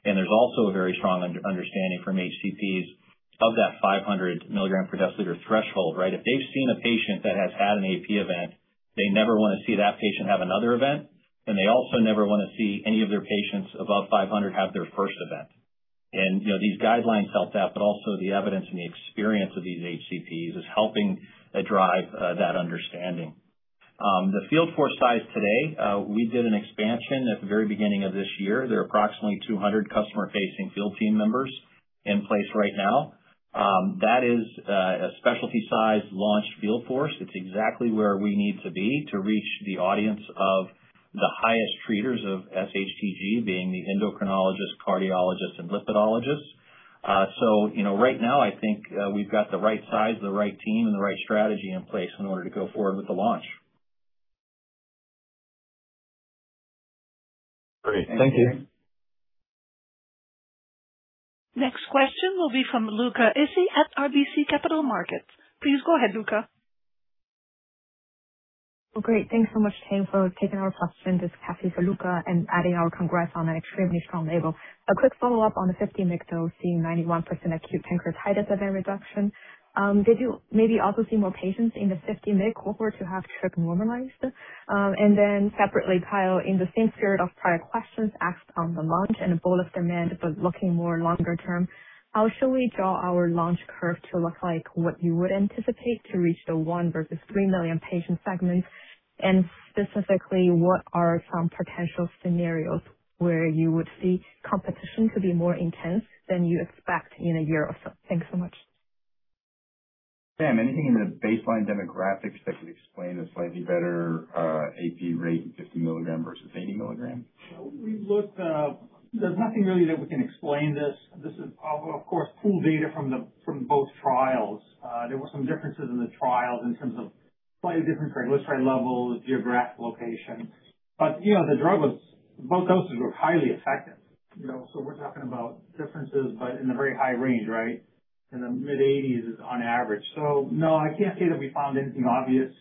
There's also a very strong understanding from HCPs of that 500 mg/dL threshold, right? If they've seen a patient that has had an AP event, they never want to see that patient have another event, and they also never want to see any of their patients above 500 mg/dL have their first event. These guidelines help that, but also the evidence and the experience of these HCPs is helping drive that understanding. The field force size today, we did an expansion at the very beginning of this year. There are approximately 200 customer-facing field team members in place right now. That is a specialty-sized launch field force. It's exactly where we need to be to reach the audience of the highest treaters of sHTG, being the endocrinologist, cardiologist, and lipidologist. Right now, I think we've got the right size, the right team, and the right strategy in place in order to go forward with the launch. Great. Thank you. Next question will be from Luca Issi at RBC Capital Markets. Please go ahead, Luca. Great. Thanks so much, team, for taking our questions. This is Cathy for Luca, adding our congrats on an extremely strong label. A quick follow-up on the 50 mg dose seeing 91% acute pancreatitis event reduction. Did you maybe also see more patients in the 50 mg cohort who have trig normalized? Separately, Kyle, in the same spirit of prior questions asked on the launch and a bullet of demand, but looking more longer term, how should we draw our launch curve to look like what you would anticipate to reach the 1 million versus 3 million patient segments? Specifically, what are some potential scenarios where you would see competition to be more intense than you expect in a year or so? Thanks so much. Sam, anything in the baseline demographics that could explain the slightly better AP rate at 50 mg versus 80 mg? We looked. There's nothing really that we can explain this. This is, of course, pooled data from both trials. There were some differences in the trials in terms of slightly different triglyceride levels, geographic location. Both doses were highly effective. We're talking about differences, but in the very high range, right? In the mid-80s is on average. No, I can't say that we found anything obvious.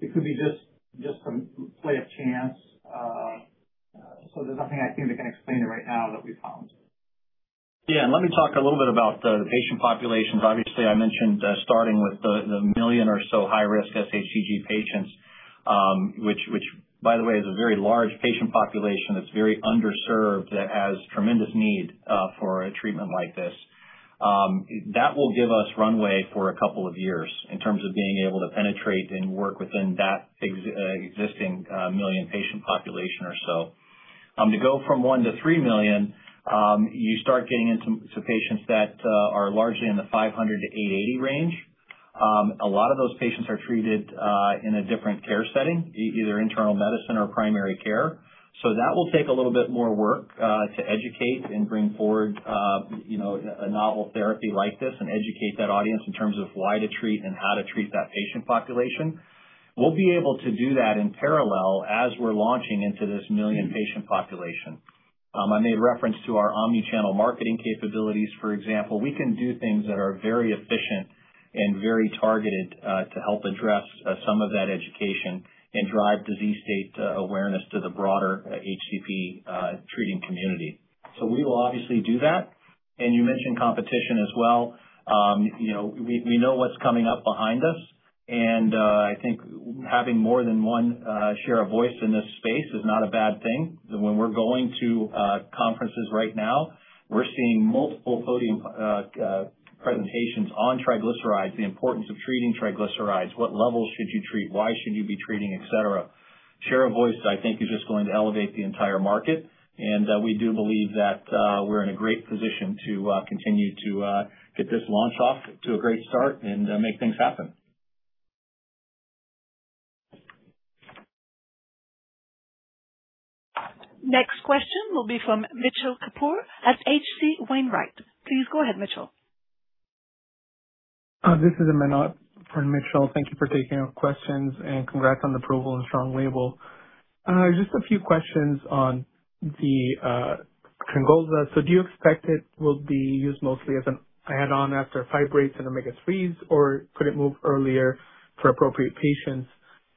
It could be just some play of chance. There's nothing I think that can explain it right now that we found. Let me talk a little bit about the patient populations. Obviously, I mentioned starting with the 1 million or so high-risk sHTG patients, which by the way, is a very large patient population that is very underserved, that has tremendous need for a treatment like this. That will give us runway for a couple of years in terms of being able to penetrate and work within that existing 1 million patient population or so. To go from 1 million to 3 million, you start getting into some patients that are largely in the 500 mg/dL-880 mg/dL range. A lot of those patients are treated in a different care setting, either internal medicine or primary care. That will take a little bit more work to educate and bring forward a novel therapy like this and educate that audience in terms of why to treat and how to treat that patient population. We will be able to do that in parallel as we are launching into this 1 million patient population. I made reference to our omni-channel marketing capabilities, for example. We can do things that are very efficient and very targeted to help address some of that education and drive disease state awareness to the broader HCP treating community. We will obviously do that. You mentioned competition as well. We know what's coming up behind us, and I think having more than one share of voice in this space is not a bad thing. When we are going to conferences right now, we are seeing multiple podium presentations on triglycerides, the importance of treating triglycerides, what levels should you treat, why should you be treating, et cetera. Share of voice, I think, is just going to elevate the entire market, and we do believe that we are in a great position to continue to get this launch off to a great start and make things happen. Next question will be from Mitchell Kapoor at H.C. Wainwright. Please go ahead, Mitchell. This is [Aminat] for Mitchell. Thank you for taking our questions, and congrats on the approval and strong label. Just a few questions on the TRYNGOLZA. Do you expect it will be used mostly as an add-on after fibrates and omega-3s, or could it move earlier for appropriate patients?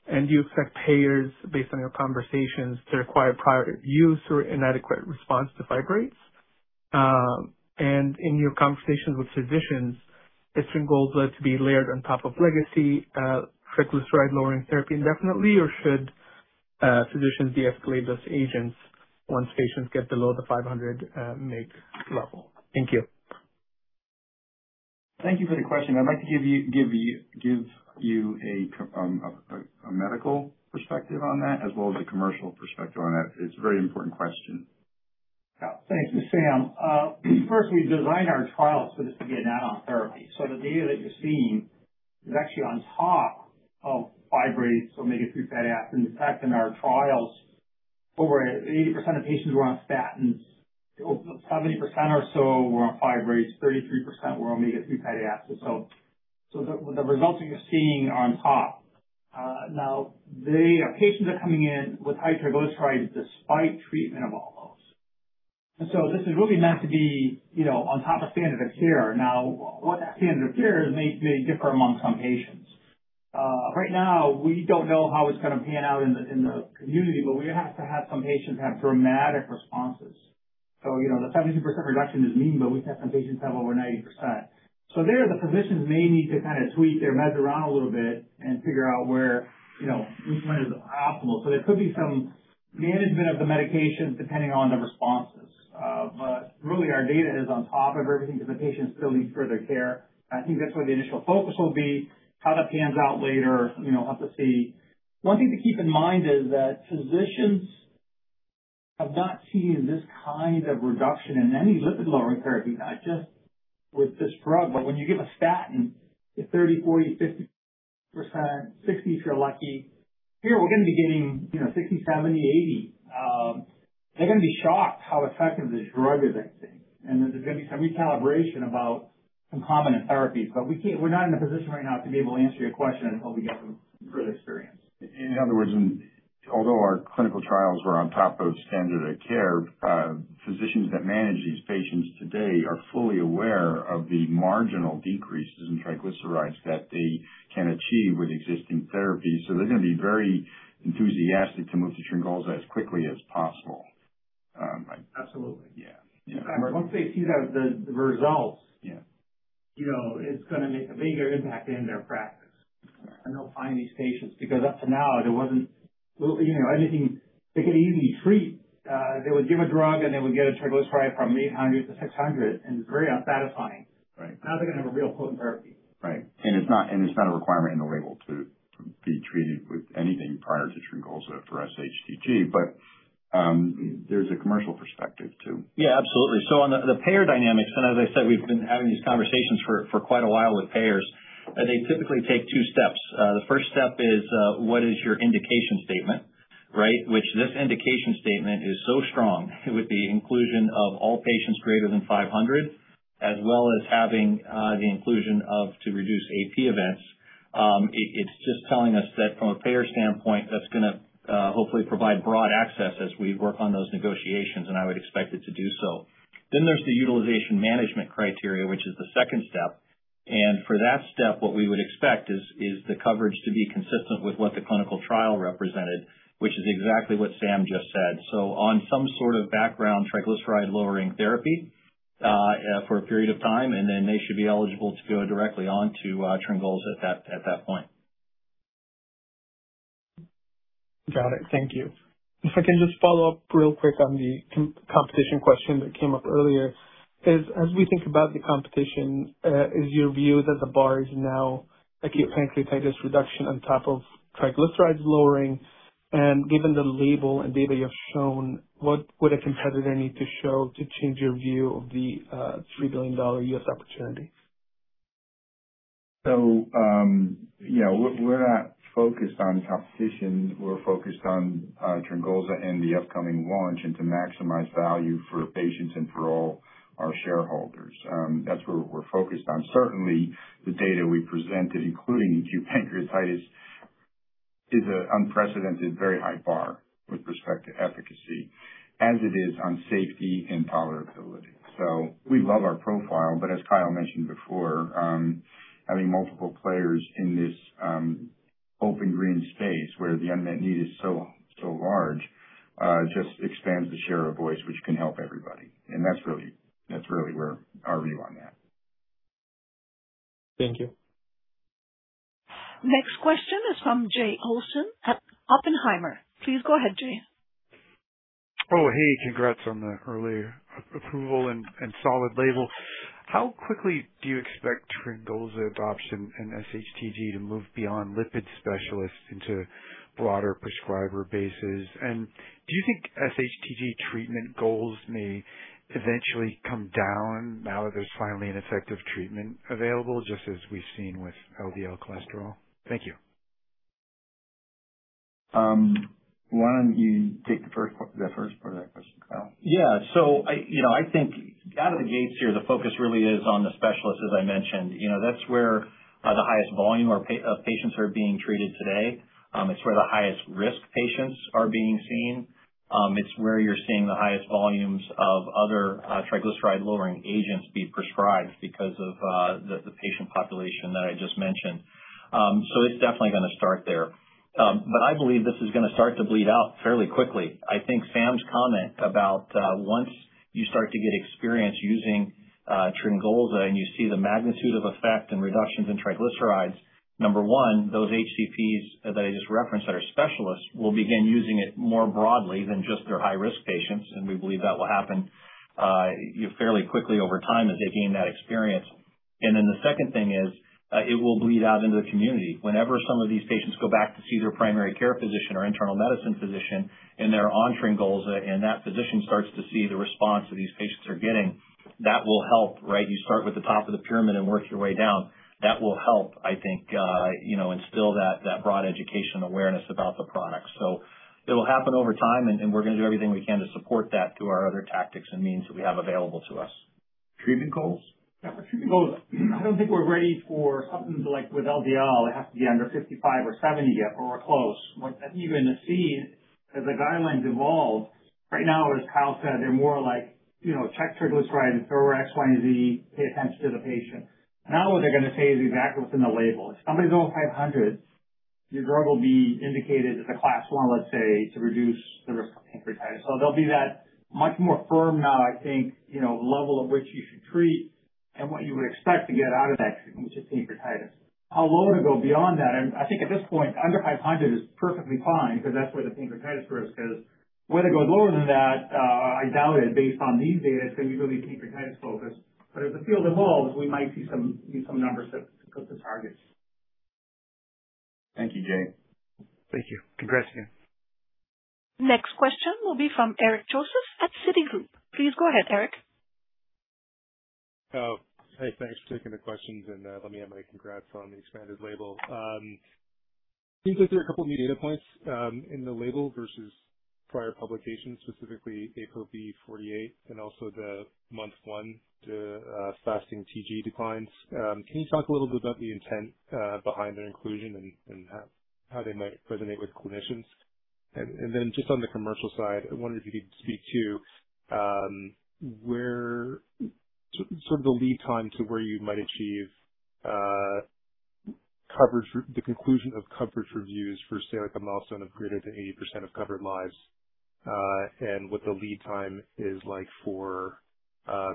Do you expect payers, based on your conversations, to require prior use or inadequate response to fibrates? In your conversations with physicians, is TRYNGOLZA to be layered on top of legacy triglyceride-lowering therapy indefinitely, or should physicians deescalate those agents once patients get below the 500 mg/dL level? Thank you. Thank you for the question. I'd like to give you a medical perspective on that, as well as a commercial perspective on that. It's a very important question. Thank you, Sam. First, we designed our trials for this to be an add-on therapy. The data that you're seeing is actually on top of fibrates or omega-3 fatty acids. In fact, in our trials, over 80% of patients were on statins. 70% or so were on fibrates, 33% were on omega-3 fatty acids. The results you're seeing are on top. The patients are coming in with high triglycerides despite treatment of all those. This is really meant to be on top of standard of care. What that standard of care may differ among some patients. Right now, we don't know how it's going to pan out in the community, but we have had some patients have dramatic responses. The 70% reduction is mean, but we've had some patients have over 90%. There, the physicians may need to kind of tweak their meds around a little bit and figure out which one is optimal. There could be some management of the medication depending on the responses. Really our data is on top of everything because the patients still need further care. I think that's where the initial focus will be. How that pans out later, we'll have to see. One thing to keep in mind is that physicians have not seen this kind of reduction in any lipid-lowering therapy, not just with this drug. When you give a statin, it's 30%, 40%, 50%, 60% if you're lucky. Here, we're going to be getting 60%, 70%, 80%. They're going to be shocked how effective this drug is, I think. There's going to be some recalibration about some common therapies. We're not in a position right now to be able to answer your question until we get some real experience. In other words, although our clinical trials were on top of standard of care, physicians that manage these patients today are fully aware of the marginal decreases in triglycerides that they can achieve with existing therapies. They're going to be very enthusiastic to move to TRYNGOLZA as quickly as possible. Absolutely. Yeah. In fact, once they see the results- Yeah -it's going to make a bigger impact in their practice, and they'll find these patients because up to now, there wasn't anything they could easily treat. They would give a drug, and they would get a triglyceride from 800 mg/dL to 600 mg/dL, and it's very unsatisfying. Right. Now they're going to have a real potent therapy. Right. It's not a requirement in the label to be treated with anything prior to TRYNGOLZA for sHTG. There's a commercial perspective, too. Yeah, absolutely. On the payer dynamics, as I said, we've been having these conversations for quite a while with payers. They typically take two steps. The first step is, what is your indication statement, right? Which this indication statement is so strong with the inclusion of all patients greater than 500 mg/dL, as well as having the inclusion of to reduce AP events. It's just telling us that from a payer standpoint, that's going to hopefully provide broad access as we work on those negotiations. I would expect it to do so. There's the utilization management criteria, which is the second step. For that step, what we would expect is the coverage to be consistent with what the clinical trial represented, which is exactly what Sam just said. On some sort of background triglyceride-lowering therapy for a period of time, then they should be eligible to go directly onto TRYNGOLZA at that point. Got it. Thank you. If I can just follow up real quick on the competition question that came up earlier. As we think about the competition, is your view that the bar is now acute pancreatitis reduction on top of triglycerides lowering? Given the label and data you have shown, what would a competitor need to show to change your view of the $3 billion U.S. opportunity? We're not focused on competition. We're focused on TRYNGOLZA and the upcoming launch and to maximize value for patients and for all our shareholders. That's what we're focused on. Certainly, the data we presented, including acute pancreatitis is an unprecedented, very high bar with respect to efficacy as it is on safety and tolerability. We love our profile, as Kyle mentioned before, having multiple players in this open green space where the unmet need is so large just expands the share of voice, which can help everybody. That's really where our view on that. Thank you. Next question is from Jay Olson at Oppenheimer. Please go ahead, Jay. Oh, hey. Congrats on the early approval and solid label. How quickly do you expect TRYNGOLZA adoption and sHTG to move beyond lipid specialists into broader prescriber bases? Do you think sHTG treatment goals may eventually come down now that there's finally an effective treatment available, just as we've seen with LDL cholesterol? Thank you. Why don't you take the first part of that question, Kyle? Yeah. I think out of the gates here, the focus really is on the specialists, as I mentioned. That's where the highest volume of patients are being treated today. It's where the highest risk patients are being seen. It's where you're seeing the highest volumes of other triglyceride-lowering agents be prescribed because of the patient population that I just mentioned. It's definitely going to start there. I believe this is going to start to bleed out fairly quickly. I think Sam's comment about once you start to get experience using TRYNGOLZA and you see the magnitude of effect and reductions in triglycerides, number one, those HCPs that I just referenced that are specialists will begin using it more broadly than just their high-risk patients, and we believe that will happen fairly quickly over time as they gain that experience. The second thing is, it will bleed out into the community. Whenever some of these patients go back to see their primary care physician or internal medicine physician and they're on TRYNGOLZA and that physician starts to see the response that these patients are getting, that will help. You start with the top of the pyramid and work your way down. That will help, I think, instill that broad education awareness about the product. It'll happen over time, and we're going to do everything we can to support that through our other tactics and means that we have available to us. Treatment goals? Yeah. For treatment goals, I don't think we're ready for something like with LDL. It has to be under 55 or 70 yet, but we're close. Even to see as the guidelines evolve. Right now, as Kyle said, they're more like check triglycerides or X, Y, and Z, pay attention to the patient. Now, what they're going to say is exactly what's in the label. If somebody's over 500 mg/dL, your drug will be indicated as a Class 1, let's say, to reduce the risk of pancreatitis. They'll be that much more firm now, I think, level at which you should treat and what you would expect to get out of that treatment, which is pancreatitis. How low to go beyond that? I think at this point, under 500 mg/dL is perfectly fine because that's where the pancreatitis risk is. Whether it goes lower than that, I doubt it based on these data. It's going to be really pancreatitis-focused. As the field evolves, we might see some numbers that could hit targets. Thank you, Jay. Thank you. Congrats again. Next question will be from Eric Joseph at Citigroup. Please go ahead, Eric. Oh, hey. Thanks for taking the questions. Let me add my congrats on the expanded label. It seems like there are a couple of new data points in the label versus prior publications, specifically ApoB-48 and also the month one, the fasting TG declines. Can you talk a little bit about the intent behind their inclusion and how they might resonate with clinicians? Then just on the commercial side, I wonder if you could speak to sort of the lead time to where you might achieve the conclusion of coverage reviews for, say, like a milestone of greater than 80% of covered lives, and what the lead time is like for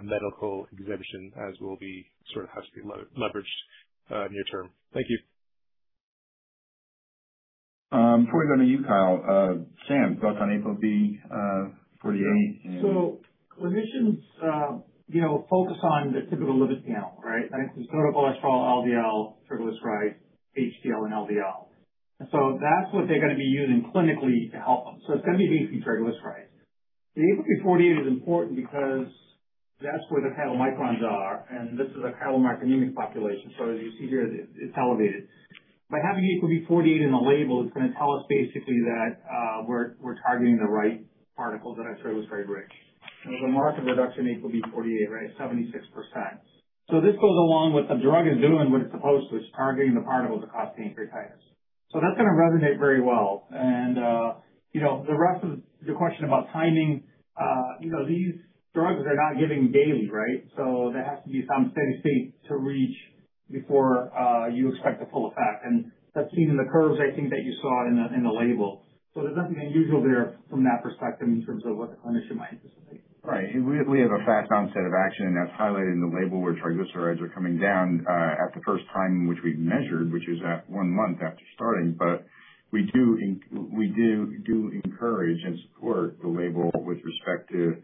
medical exemption as will be sort of has to be leveraged near term. Thank you. Before we go to you, Kyle, Sam, thoughts on ApoB-48? Clinicians focus on the typical lipid panel. Right? It's total cholesterol, LDL, triglycerides, HDL, and LDL. That's what they're going to be using clinically to help them. It's going to be VAP triglycerides. The ApoB-48 is important because that's where the chylomicrons are, and this is a chylomicronemic population. As you see here, it's elevated. By having the ApoB-48 in the label, it's going to tell us basically that we're targeting the right particles that are triglyceride-rich. There was a marked reduction in ApoB-48, 76%. This goes along with the drug is doing what it's supposed to. It's targeting the particles that cause pancreatitis. That's going to resonate very well. The rest of the question about timing, these drugs are not given daily. There has to be some steady state to reach before you expect the full effect. That's seen in the curves, I think that you saw in the label. There's nothing unusual there from that perspective in terms of what the clinician might anticipate. Right. We have a fast onset of action, and that's highlighted in the label where triglycerides are coming down at the first time, which we've measured, which is at one month after starting. We do encourage and support the label with respect to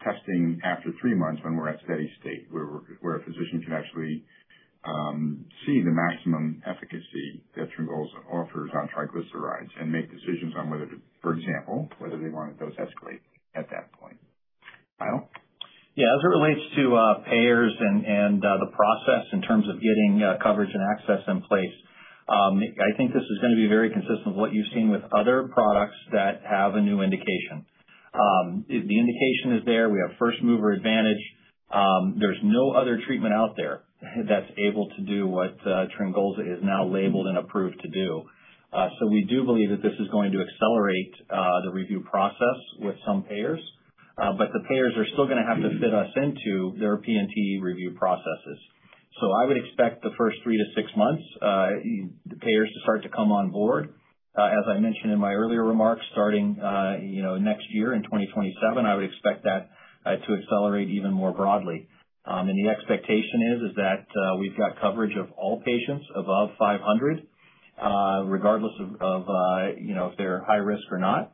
testing after three months when we're at steady state, where a physician can actually see the maximum efficacy that TRYNGOLZA offers on triglycerides and make decisions on whether, for example, whether they want to dose escalate at that point. Kyle? Yeah. As it relates to payers and the process in terms of getting coverage and access in place, I think this is going to be very consistent with what you've seen with other products that have a new indication. The indication is there. We have first-mover advantage. There's no other treatment out there that's able to do what TRYNGOLZA is now labeled and approved to do. We do believe that this is going to accelerate the review process with some payers, but the payers are still going to have to fit us into their P&T review processes. I would expect the first three to six months, the payers to start to come on board. As I mentioned in my earlier remarks, starting next year in 2027, I would expect that to accelerate even more broadly. The expectation is that we've got coverage of all patients above 500 mg/dL, regardless of if they're high risk or not,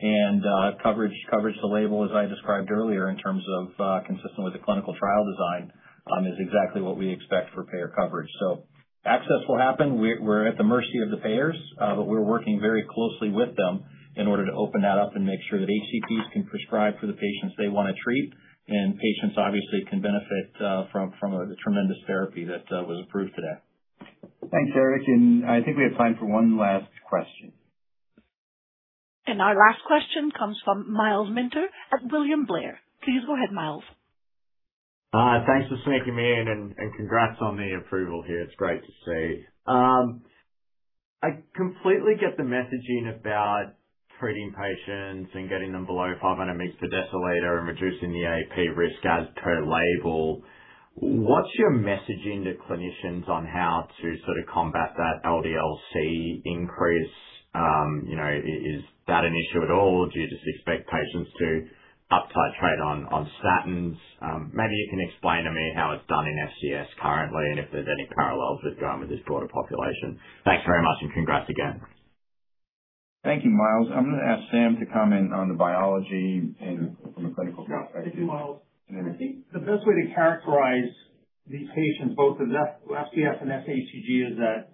and coverage to label, as I described earlier, in terms of consistent with the clinical trial design, is exactly what we expect for payer coverage. Access will happen. We're at the mercy of the payers, but we're working very closely with them in order to open that up and make sure that HCPs can prescribe for the patients they want to treat. Patients obviously can benefit from the tremendous therapy that was approved today. Thanks, Eric. I think we have time for one last question. Our last question comes from Myles Minter at William Blair. Please go ahead, Myles. Thanks for sneaking me in and congrats on the approval here. It's great to see. I completely get the messaging about treating patients and getting them below 500 mg/dL and reducing the AP risk as per label. What's your messaging to clinicians on how to sort of combat that LDL-C increase? Is that an issue at all, or do you just expect patients to uptitrate on statins? Maybe you can explain to me how it's done in FCS currently and if there's any parallels with going with this broader population. Thanks very much and congrats again. Thank you, Myles. I'm going to ask Sam to comment on the biology and from a clinical perspective. Thank you, Myles. I think the best way to characterize these patients, both with FCS and sHTG, is that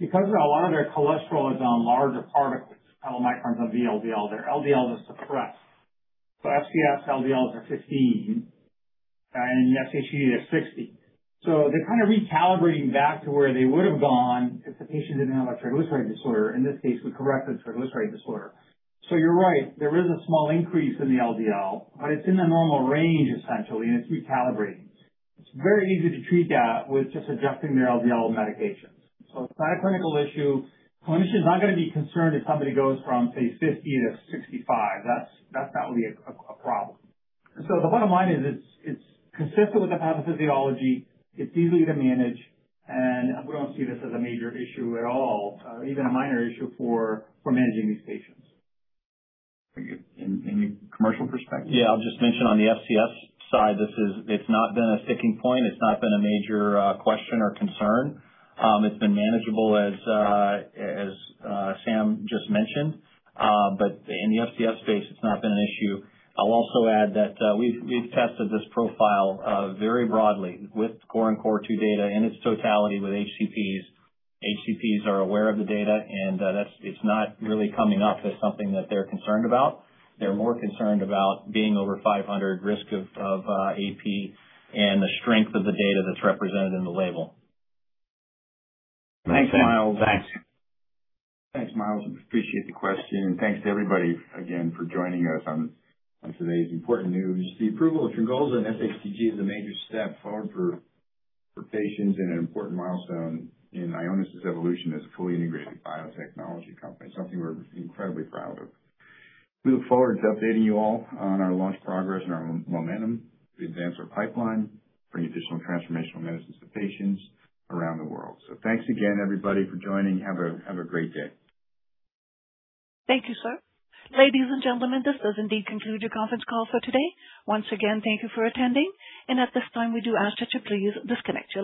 because a lot of their cholesterol is on larger particles, apolipoproteins on VLDL, their LDL is suppressed. FCS, LDLs are 15, and in sHTG, it's 60. They're kind of recalibrating back to where they would have gone if the patient didn't have a triglyceride disorder. In this case, we corrected triglyceride disorder. You're right, there is a small increase in the LDL, but it's in the normal range, essentially, and it's recalibrating. It's very easy to treat that with just adjusting their LDL medications. It's not a clinical issue. Clinician's not going to be concerned if somebody goes from, say, 50 to 65. That's not going to be a problem. The bottom line is it's consistent with the pathophysiology. It's easy to manage. We don't see this as a major issue at all, even a minor issue for managing these patients. Any commercial perspective? Yeah, I'll just mention on the FCS side, it's not been a sticking point. It's not been a major question or concern. It's been manageable as Sam just mentioned. In the FCS space, it's not been an issue. I'll also add that we've tested this profile very broadly with CORE and CORE2 data in its totality with HCPs. HCPs are aware of the data. It's not really coming up as something that they're concerned about. They're more concerned about being over 500 mg/dL risk of AP and the strength of the data that's represented in the label. Thanks, Myles. Thanks. Thanks, Myles. Appreciate the question. Thanks to everybody again for joining us on today's important news. The approval of TRYNGOLZA in sHTG is a major step forward for patients and an important milestone in Ionis' evolution as a fully integrated biotechnology company, something we're incredibly proud of. We look forward to updating you all on our launch progress and our momentum to advance our pipeline, bring additional transformational medicines to patients around the world. Thanks again, everybody, for joining. Have a great day. Thank you, sir. Ladies and gentlemen, this does indeed conclude your conference call for today. Once again, thank you for attending. At this time, we do ask that you please disconnect your lines.